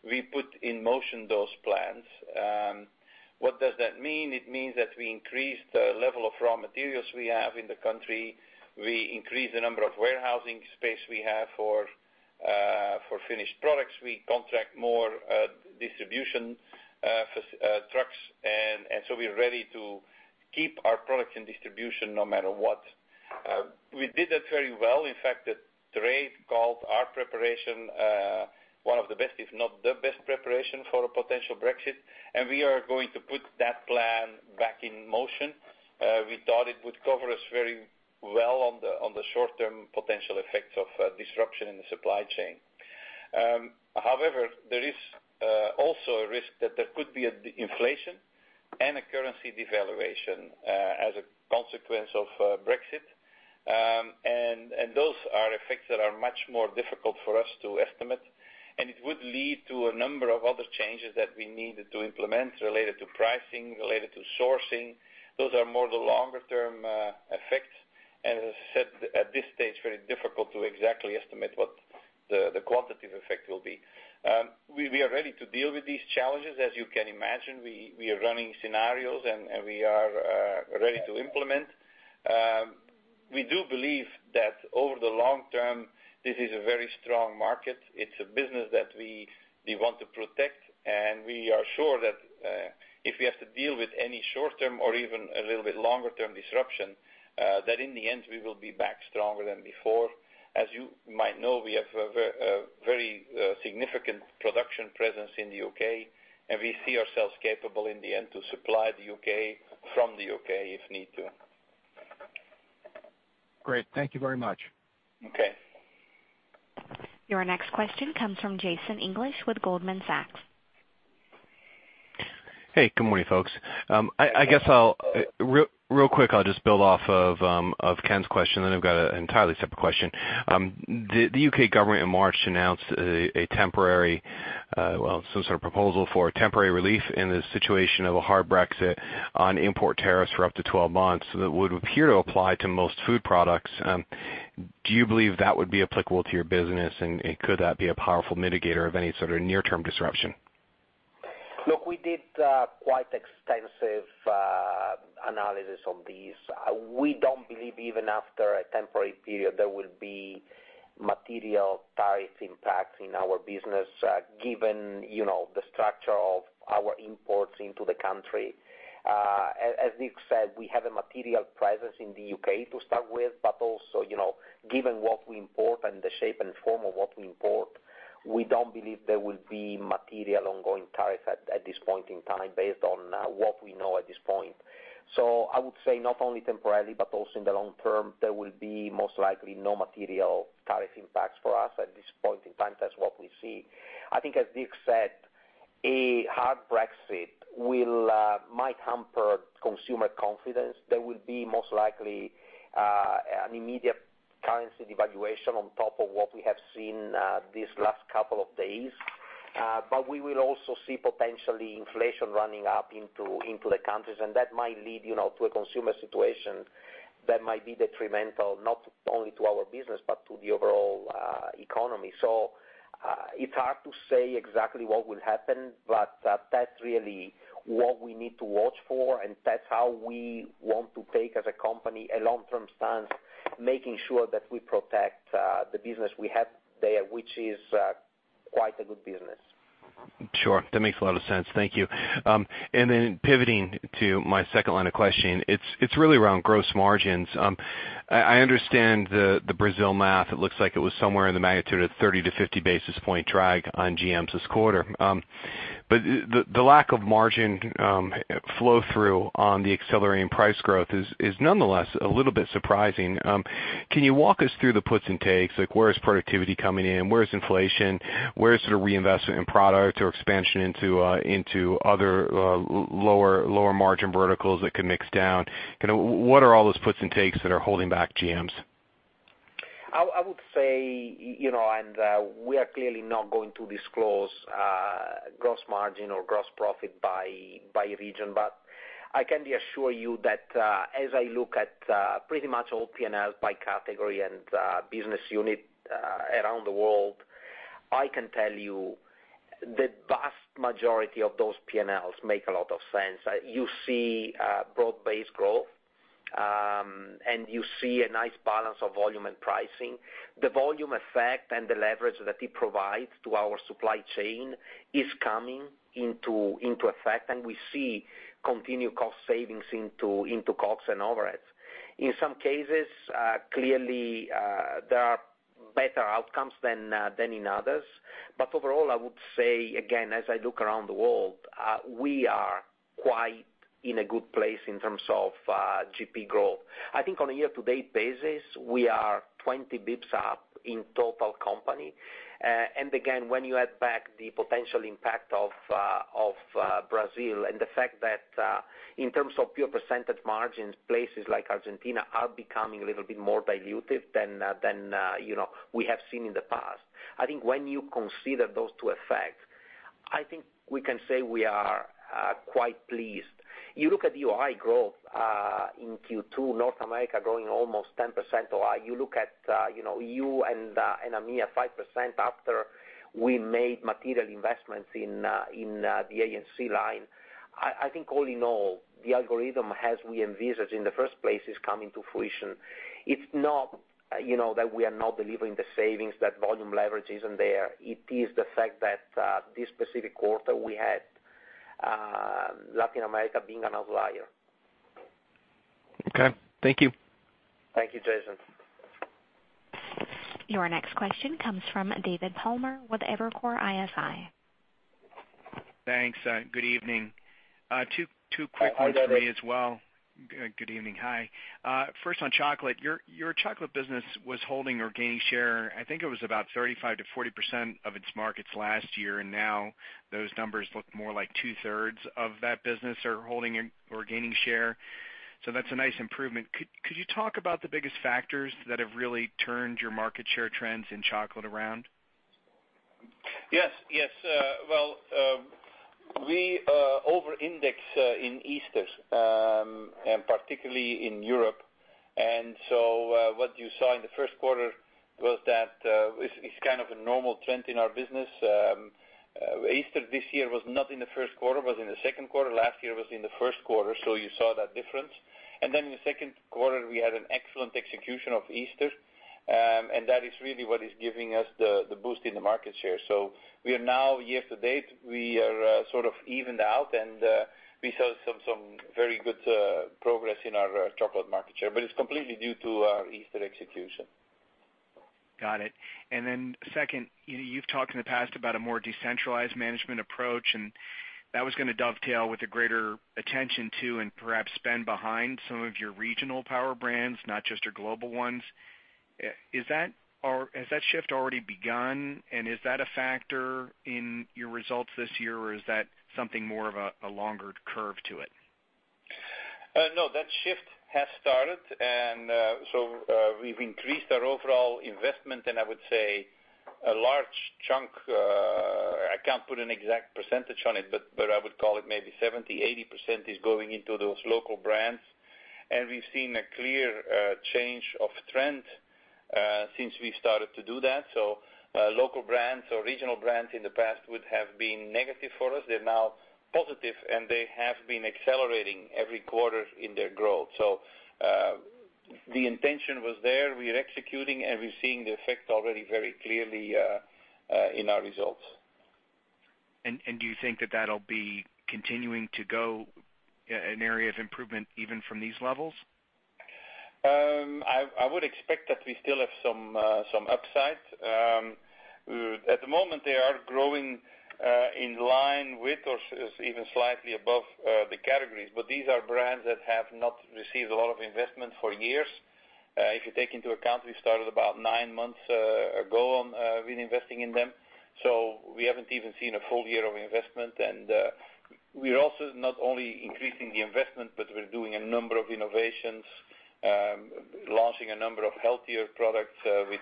we put in motion those plans. What does that mean? It means that we increased the level of raw materials we have in the country. We increased the number of warehousing space we have for finished products. We contract more distribution trucks, we're ready to keep our products in distribution no matter what. We did that very well. In fact, the trade called our preparation one of the best, if not the best preparation for a potential Brexit, we are going to put that plan back in motion. We thought it would cover us very well on the short-term potential effects of disruption in the supply chain. However, there is also a risk that there could be inflation and a currency devaluation as a consequence of Brexit. Those are effects that are much more difficult for us to estimate, and it would lead to a number of other changes that we needed to implement related to pricing, related to sourcing. Those are more the longer-term effects. As I said, at this stage, very difficult to exactly estimate what the quantitative effect will be. We are ready to deal with these challenges. As you can imagine, we are running scenarios, and we are ready to implement. We do believe that over the long term, this is a very strong market. It's a business that we want to protect, and we are sure that if we have to deal with any short term or even a little bit longer-term disruption, that in the end, we will be back stronger than before. As you might know, we have a very significant production presence in the U.K., and we see ourselves capable in the end to supply the U.K. from the U.K. if need to. Great. Thank you very much. Okay. Your next question comes from Jason English with Goldman Sachs. Hey, good morning, folks. I guess real quick, I'll just build off of Ken's question, then I've got an entirely separate question. The U.K. government in March announced some sort of proposal for temporary relief in the situation of a hard Brexit on import tariffs for up to 12 months that would appear to apply to most food products. Do you believe that would be applicable to your business, and could that be a powerful mitigator of any sort of near-term disruption? We did quite extensive analysis on these. We don't believe even after a temporary period, there will be material tariff impacts in our business given the structure of our imports into the country. Dirk said, we have a material presence in the U.K. to start with, but also, given what we import and the shape and form of what we import, we don't believe there will be material ongoing tariff at this point in time based on what we know at this point. I would say not only temporarily but also in the long term, there will be most likely no material tariff impacts for us at this point in time. That's what we see. Dirk said, a hard Brexit might hamper consumer confidence. There will be most likely an immediate currency devaluation on top of what we have seen these last couple of days. We will also see potentially inflation running up into the countries, and that might lead to a consumer situation that might be detrimental, not only to our business, but to the overall economy. It's hard to say exactly what will happen, but that's really what we need to watch for, and that's how we want to take, as a company, a long-term stance, making sure that we protect the business we have there, which is quite a good business. Sure. That makes a lot of sense. Thank you. Pivoting to my 2nd line of questioning, it's really around gross margins. I understand the Brazil math. It looks like it was somewhere in the magnitude of 30-50 basis point drag on GMs this quarter. The lack of margin flow through on the accelerating price growth is nonetheless a little bit surprising. Can you walk us through the puts and takes? Where is productivity coming in? Where is inflation? Where is sort of reinvestment in product or expansion into other lower margin verticals that could mix down? What are all those puts and takes that are holding back GMs? I would say, we are clearly not going to disclose gross margin or gross profit by region, but I can assure you that as I look at pretty much all P&Ls by category and business unit around the world, I can tell you the vast majority of those P&Ls make a lot of sense. You see broad-based growth, you see a nice balance of volume and pricing. The volume effect, the leverage that it provides to our supply chain is coming into effect, we see continued cost savings into COGS and overheads. In some cases, clearly, there are better outcomes than in others. Overall, I would say, again, as I look around the world, we are quite in a good place in terms of GP growth. I think on a year-to-date basis, we are 20 basis points up in total company. Again, when you add back the potential impact of Brazil and the fact that in terms of pure percentage margins, places like Argentina are becoming a little bit more dilutive than we have seen in the past. I think when you consider those two effects, I think we can say we are quite pleased. You look at OI growth in Q2, North America growing almost 10% OI. You look at EU and AMEA, 5% after we made material investments in the A&C line. I think all in all, the algorithm as we envisaged in the first place is coming to fruition. It's not that we are not delivering the savings, that volume leverage isn't there. It is the fact that this specific quarter, we had Latin America being an outlier. Okay. Thank you. Thank you, Jason. Your next question comes from David Palmer with Evercore ISI. Thanks. Good evening. Two quick ones. Hi, David For me as well. Good evening. Hi. 1st, on chocolate. Your chocolate business was holding or gaining share, I think it was about 35%-40% of its markets last year, now those numbers look more like two-thirds of that business are holding or gaining share. That's a nice improvement. Could you talk about the biggest factors that have really turned your market share trends in chocolate around? Yes. Well, we over-index in Easter, and particularly in Europe. What you saw in the first quarter was that it's kind of a normal trend in our business. Easter this year was not in the first quarter, it was in the second quarter. Last year, it was in the first quarter, you saw that difference. In the second quarter, we had an excellent execution of Easter. That is really what is giving us the boost in the market share. We are now, year-to-date, we are sort of evened out, and we saw some very good progress in our chocolate market share. It's completely due to our Easter execution. Got it. 2nd, you've talked in the past about a more decentralized management approach, and that was going to dovetail with a greater attention to and perhaps spend behind some of your regional power brands, not just your global ones. Has that shift already begun, and is that a factor in your results this year, or is that something more of a longer curve to it? No, that shift has started. We've increased our overall investment, and I would say a large chunk, I can't put an exact percentage on it, but I would call it maybe 70%-80% is going into those local brands. We've seen a clear change of trend since we started to do that. Local brands or regional brands in the past would have been negative for us. They're now positive, and they have been accelerating every quarter in their growth. The intention was there. We are executing, and we're seeing the effect already very clearly in our results. Do you think that that'll be continuing to go an area of improvement even from these levels? I would expect that we still have some upside. At the moment, they are growing in line with or even slightly above the categories, but these are brands that have not received a lot of investment for years. If you take into account, we started about nine months ago on reinvesting in them, so we haven't even seen a full year of investment. We're also not only increasing the investment, but we're doing a number of innovations using a number of healthier products with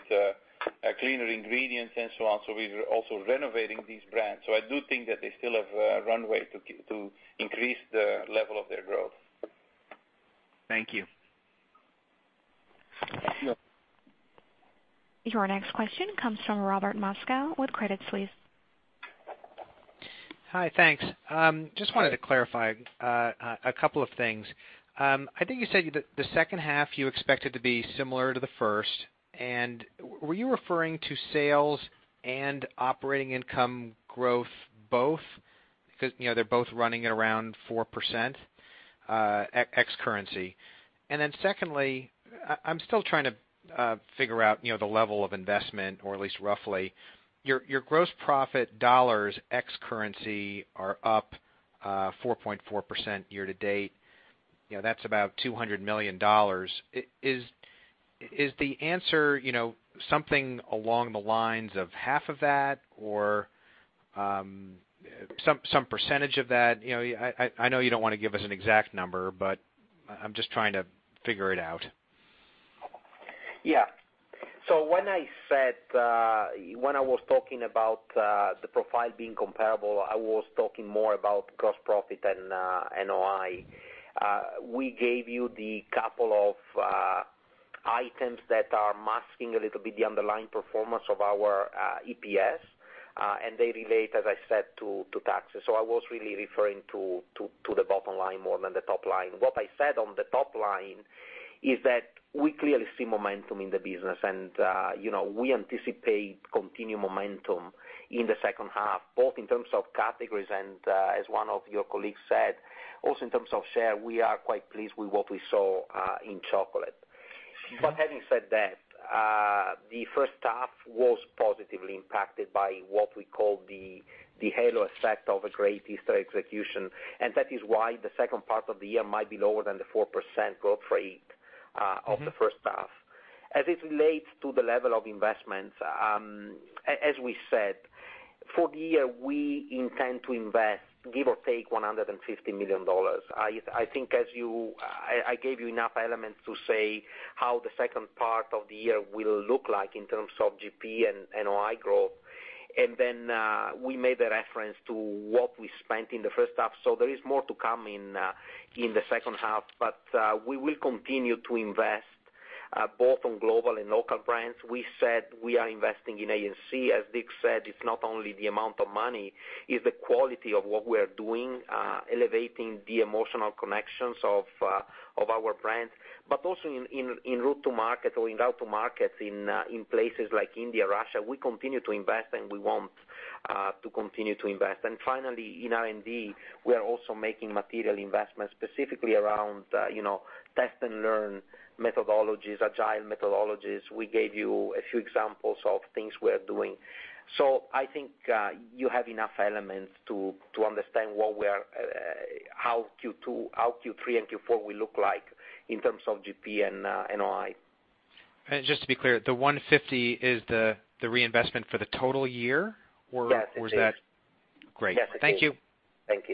cleaner ingredients and so on. We're also renovating these brands. I do think that they still have a runway to increase the level of their growth. Thank you. Yeah. Your next question comes from Robert Moskow with Credit Suisse. Hi, thanks. Just wanted to clarify a couple of things. I think you said the second half you expected to be similar to the first. Were you referring to sales and operating income growth both? Because they're both running at around 4% ex currency. Secondly, I'm still trying to figure out the level of investment or at least roughly. Your gross profit dollars ex currency are up 4.4% year-to-date. That's about $200 million. Is the answer something along the lines of half of that or some percentage of that? I know you don't want to give us an exact number, but I'm just trying to figure it out. Yeah. When I was talking about the profile being comparable, I was talking more about gross profit than NOI. We gave you the couple of items that are masking a little bit the underlying performance of our EPS, and they relate, as I said, to taxes. I was really referring to the bottom line more than the top line. What I said on the top line is that we clearly see momentum in the business, and we anticipate continued momentum in the second half, both in terms of categories and, as one of your colleagues said, also in terms of share. We are quite pleased with what we saw in chocolate. Having said that, the first half was positively impacted by what we call the halo effect of a great Easter execution. That is why the second part of the year might be lower than the 4% growth rate of the first half. As it relates to the level of investments, as we said, for the year, we intend to invest, give or take, $150 million. I think I gave you enough elements to say how the second part of the year will look like in terms of GP and NOI growth. We made a reference to what we spent in the first half. There is more to come in the second half. We will continue to invest both on global and local brands. We said we are investing in A&C. As Dirk said, it's not only the amount of money, it's the quality of what we are doing, elevating the emotional connections of our brands, but also in route to market or in route to markets in places like India, Russia, we continue to invest and we want to continue to invest. Finally, in R&D, we are also making material investments, specifically around test and learn methodologies, agile methodologies. We gave you a few examples of things we are doing. I think you have enough elements to understand how Q2, how Q3, and Q4 will look like in terms of GP and NOI. Just to be clear, the $150 is the reinvestment for the total year? Yes, it is. Great. Thank you. Thank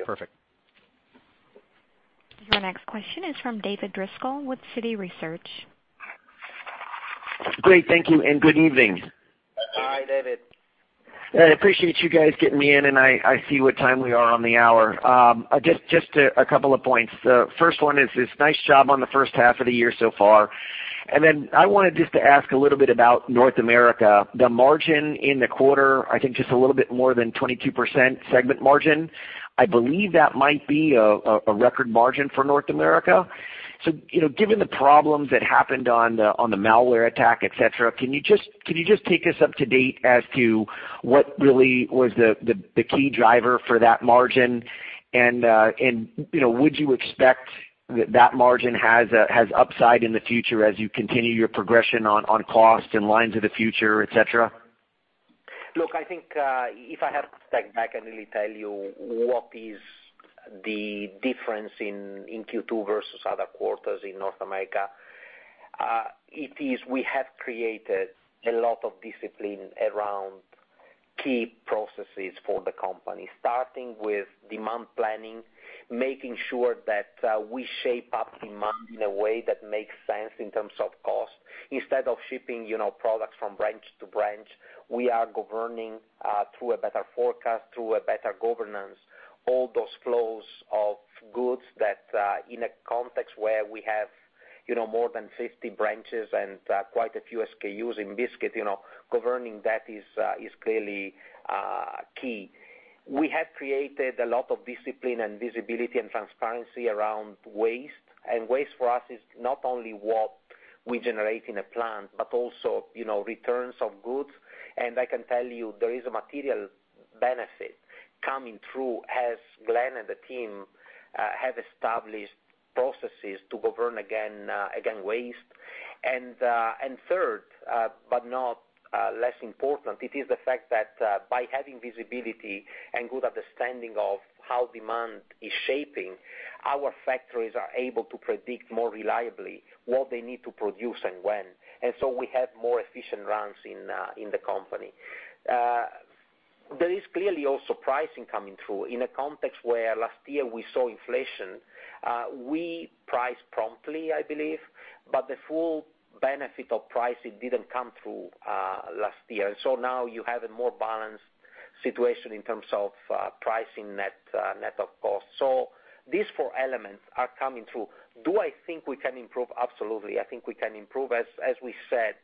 you. Perfect. Your next question is from David Driscoll with Citi Research. Great. Thank you and good evening. Hi, David. I appreciate you guys getting me in. I see what time we are on the hour. Just a couple of points. The first one is, it's nice job on the first half of the year so far. I wanted just to ask a little bit about North America. The margin in the quarter, I think just a little bit more than 22% segment margin. I believe that might be a record margin for North America. Given the problems that happened on the malware attack, et cetera, can you just take us up to date as to what really was the key driver for that margin? Would you expect that margin has upside in the future as you continue your progression on cost and lines of the future, et cetera? Look, I think, if I have to step back and really tell you what is the difference in Q2 versus other quarters in North America, it is we have created a lot of discipline around key processes for the company, starting with demand planning, making sure that we shape up demand in a way that makes sense in terms of cost. Instead of shipping products from branch to branch, we are governing through a better forecast, through a better governance, all those flows of goods that in a context where we have more than 50 branches and quite a few SKUs in biscuit, governing that is clearly key. We have created a lot of discipline and visibility and transparency around waste. Waste for us is not only what we generate in a plant, but also returns of goods. I can tell you there is a material benefit coming through as Glen and the team have established processes to govern, again, waste. 3rd, but not less important, it is the fact that by having visibility and good understanding of how demand is shaping, our factories are able to predict more reliably what they need to produce and when. We have more efficient runs in the company. There is clearly also pricing coming through in a context where last year we saw inflation. We priced promptly, I believe, but the full benefit of pricing didn't come through last year. Now you have a more balanced situation in terms of pricing net of cost. These four elements are coming through. Do I think we can improve? Absolutely, I think we can improve. As we said,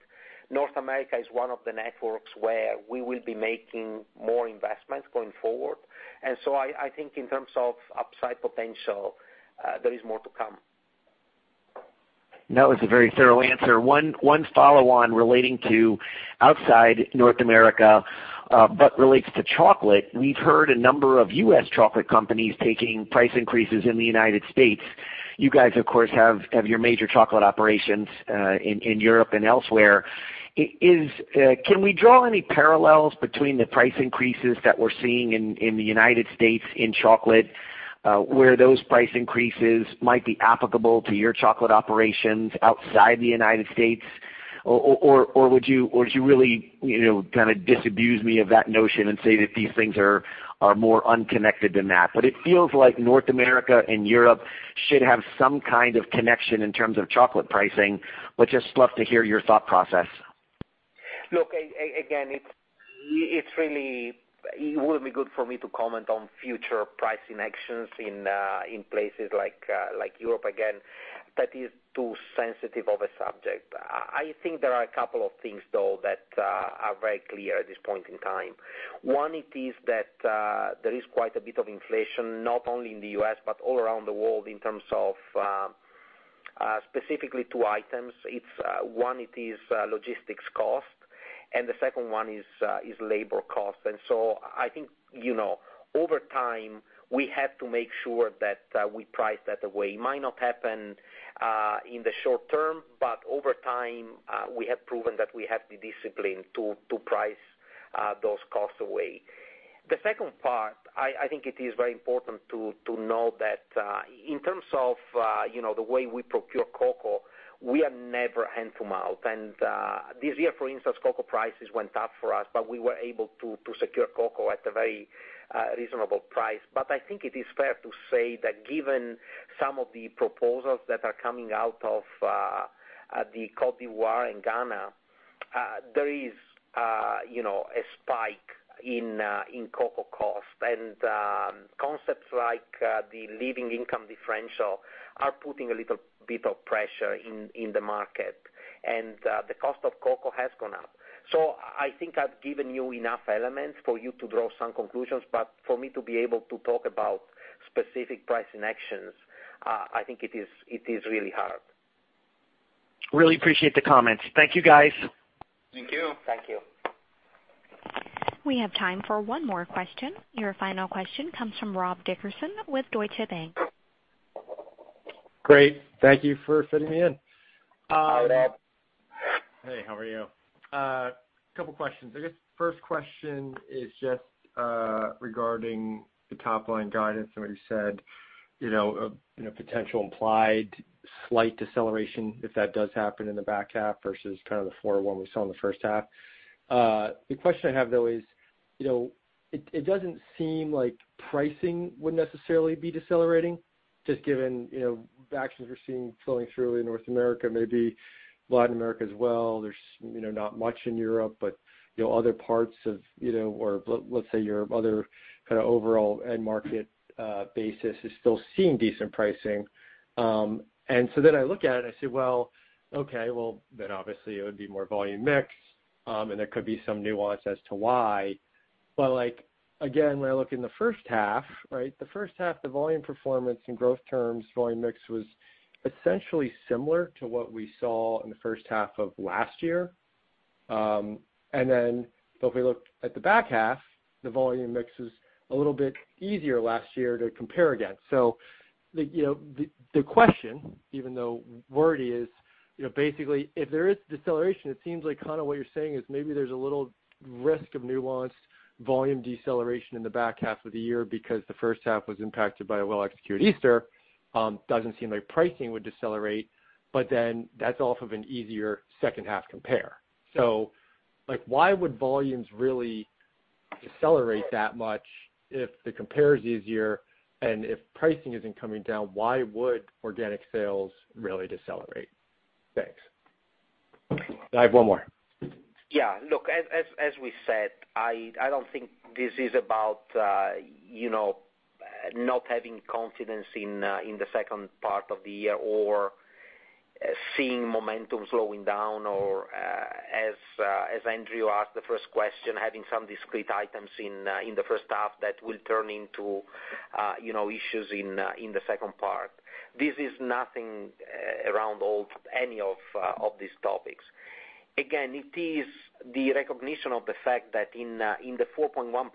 North America is one of the networks where we will be making more investments going forward. I think in terms of upside potential, there is more to come. That was a very thorough answer. One follow-on relating to outside North America, relates to chocolate. We've heard a number of U.S. chocolate companies taking price increases in the United States. You guys, of course, have your major chocolate operations in Europe and elsewhere. Can we draw any parallels between the price increases that we're seeing in the U.S. in chocolate, where those price increases might be applicable to your chocolate operations outside the U.S.? Would you really disabuse me of that notion and say that these things are more unconnected than that? It feels like North America and Europe should have some kind of connection in terms of chocolate pricing, would just love to hear your thought process. Look, again, it wouldn't be good for me to comment on future pricing actions in places like Europe. Again, that is too sensitive of a subject. I think there are a couple of things, though, that are very clear at this point in time. One, it is that there is quite a bit of inflation, not only in the U.S., but all around the world in terms of specifically two items. One, it is logistics cost, and the 2nd one is labor cost. I think, over time, we have to make sure that we price that away. It might not happen in the short term, but over time, we have proven that we have the discipline to price those costs away. The 2nd part, I think it is very important to know that in terms of the way we procure cocoa, we are never hand-to-mouth. This year, for instance, cocoa prices went up for us, but we were able to secure cocoa at a very reasonable price. I think it is fair to say that given some of the proposals that are coming out of the Côte d'Ivoire and Ghana, there is a spike in cocoa cost. Concepts like the living income differential are putting a little bit of pressure in the market, and the cost of cocoa has gone up. I think I've given you enough elements for you to draw some conclusions, but for me to be able to talk about specific pricing actions, I think it is really hard. Really appreciate the comments. Thank you, guys. Thank you. Thank you. We have time for one more question. Your final question comes from Rob Dickerson with Deutsche Bank. Great. Thank you for fitting me in. Hi, Rob. Hey, how are you? A couple of questions. I guess 1st question is just regarding the top-line guidance. You said a potential implied slight deceleration if that does happen in the back half versus the 4.1% we saw in the first half. The question I have, though is, it doesn't seem like pricing would necessarily be decelerating, just given the actions we're seeing flowing through in North America, maybe Latin America as well. There's not much in Europe. Other parts of or let's say your other kind of overall end market basis is still seeing decent pricing. I look at it and I say, well, okay, well, then obviously it would be more volume mix. There could be some nuance as to why. Again, when I look in the first half, the volume performance in growth terms, volume mix was essentially similar to what we saw in the first half of last year. If we look at the back half, the volume mix is a little bit easier last year to compare against. The question, even though word is, basically if there is deceleration, it seems like what you're saying is maybe there's a little risk of nuanced volume deceleration in the back half of the year because the first half was impacted by a well-executed Easter. Doesn't seem like pricing would decelerate, that's off of an easier second half compare. Why would volumes really decelerate that much if the compare is easier, and if pricing isn't coming down, why would organic sales really decelerate? Thanks. I have one more. Yeah, look, as we said, I don't think this is about not having confidence in the second part of the year or seeing momentum slowing down or, as Andrew asked the 1st question, having some discrete items in the first half that will turn into issues in the second part. This is nothing around any of these topics. Again, it is the recognition of the fact that in the 4.1%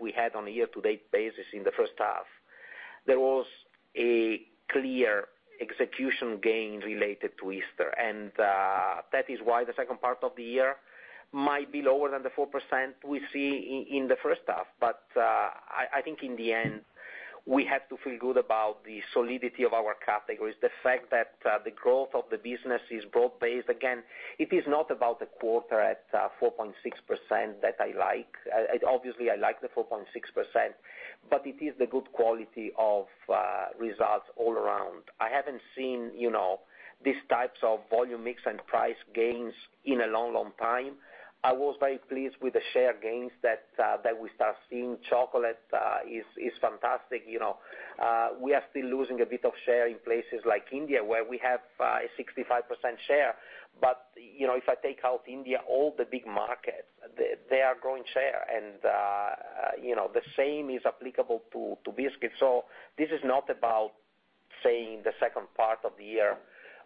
we had on a year-to-date basis in the first half, there was a clear execution gain related to Easter, and that is why the second part of the year might be lower than the 4% we see in the first half. I think in the end we have to feel good about the solidity of our categories, the fact that the growth of the business is broad-based. Again, it is not about a quarter at 4.6% that I like. Obviously, I like the 4.6%, but it is the good quality of results all around. I haven't seen these types of volume mix and price gains in a long, long time. I was very pleased with the share gains that we start seeing. Chocolate is fantastic. We are still losing a bit of share in places like India, where we have a 65% share. If I take out India, all the big markets, they are growing share, and the same is applicable to biscuits. This is not about saying the second part of the year,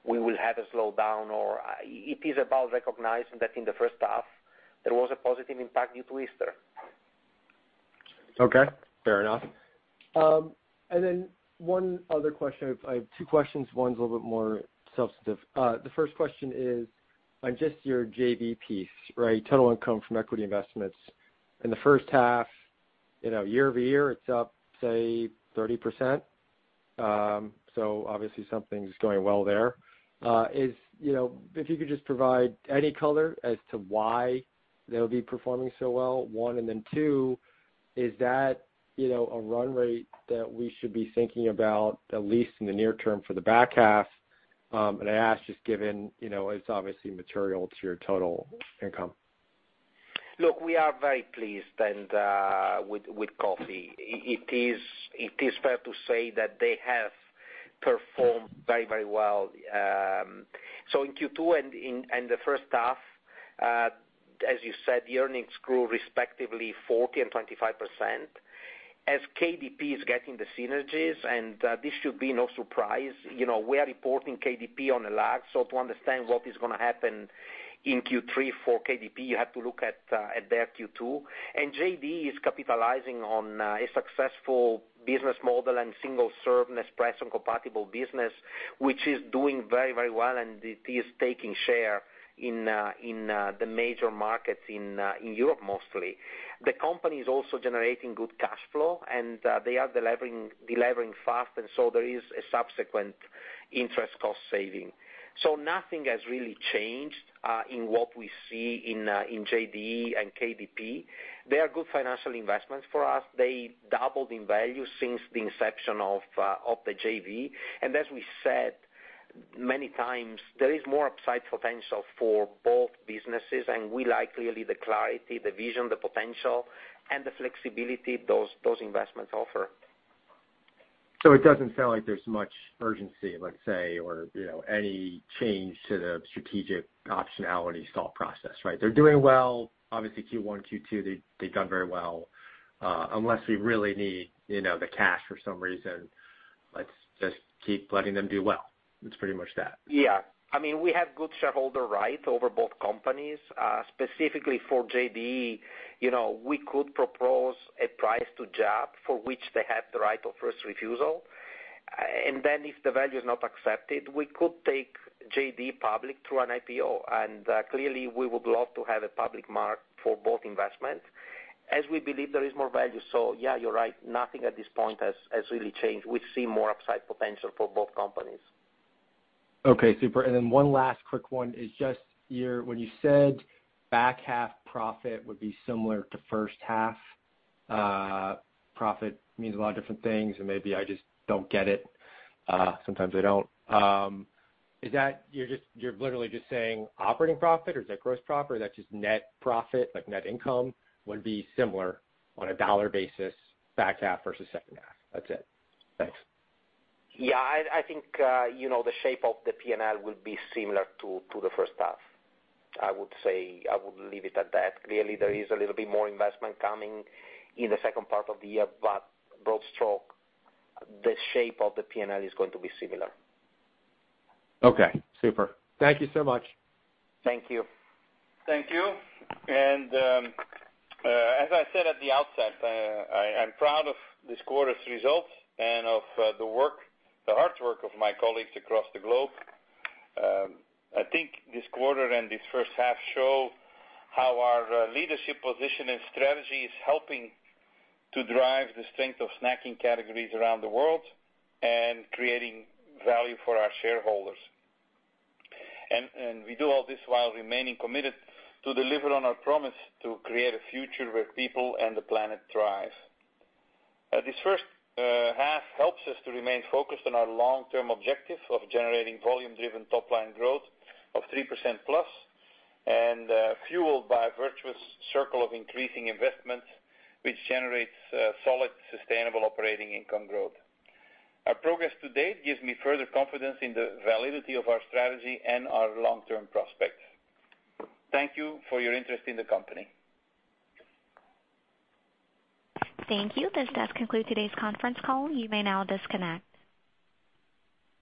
we will have a slowdown, or it is about recognizing that in the first half, there was a positive impact due to Easter. Okay, fair enough. One other question. I have two questions. One's a little bit more substantive. The 1st question is on just your JV piece, right? Total income from equity investments in the first half, year-over-year, it's up, say, 30%. Obviously something's going well there. If you could just provide any color as to why they'll be performing so well, one, and two, is that a run rate that we should be thinking about, at least in the near term for the back half? I ask just given, it's obviously material to your total income. Look, we are very pleased with coffee. It is fair to say that they have performed very well. In Q2 and the first half, as you said, the earnings grew respectively 40% and 25%. As KDP is getting the synergies, and this should be no surprise, we are reporting KDP on a lag. To understand what is going to happen in Q3 for KDP, you have to look at their Q2. JDE is capitalizing on a successful business model and single-serve Nespresso compatible business, which is doing very well, and it is taking share in the major markets in Europe mostly. The company is also generating good cash flow, and they are delevering fast. There is a subsequent interest cost saving. Nothing has really changed in what we see in JDE and KDP. They are good financial investments for us. They doubled in value since the inception of the JV. As we said many times, there is more upside potential for both businesses, and we like clearly the clarity, the vision, the potential, and the flexibility those investments offer. It doesn't sound like there's much urgency, let's say, or any change to the strategic optionality thought process, right? They're doing well. Obviously Q1, Q2, they've done very well. Unless we really need the cash for some reason, let's just keep letting them do well. It's pretty much that. We have good shareholder rights over both companies. Specifically for JDE, we could propose a price to JAB, for which they have the right of first refusal. If the value is not accepted, we could take JDE public through an IPO. Clearly, we would love to have a public mark for both investments as we believe there is more value. You're right nothing at this point has really changed. We see more upside potential for both companies. Okay, super. One last quick one is just when you said back half profit would be similar to first half profit means a lot of different things, and maybe I just don't get it. Sometimes I don't. You're literally just saying operating profit or is that gross profit or that's just net profit, like net income would be similar on a dollar basis, back half versus second half? That's it. Thanks. Yeah, I think the shape of the P&L will be similar to the first half. I would leave it at that. Clearly, there is a little bit more investment coming in the second part of the year, broad stroke, the shape of the P&L is going to be similar. Okay, super. Thank you so much. Thank you. Thank you. As I said at the outset I'm proud of this quarter's results and of the hard work of my colleagues across the globe. I think this quarter and this first half show how our leadership position and strategy is helping to drive the strength of snacking categories around the world and creating value for our shareholders. We do all this while remaining committed to deliver on our promise to create a future where people and the planet thrive. This first half helps us to remain focused on our long-term objective of generating volume-driven top line growth of 3%+ and fueled by a virtuous circle of increasing investments, which generates solid, sustainable operating income growth. Our progress to date gives me further confidence in the validity of our strategy and our long-term prospects. Thank you for your interest in the company. Thank you. This does conclude today's conference call. You may now disconnect.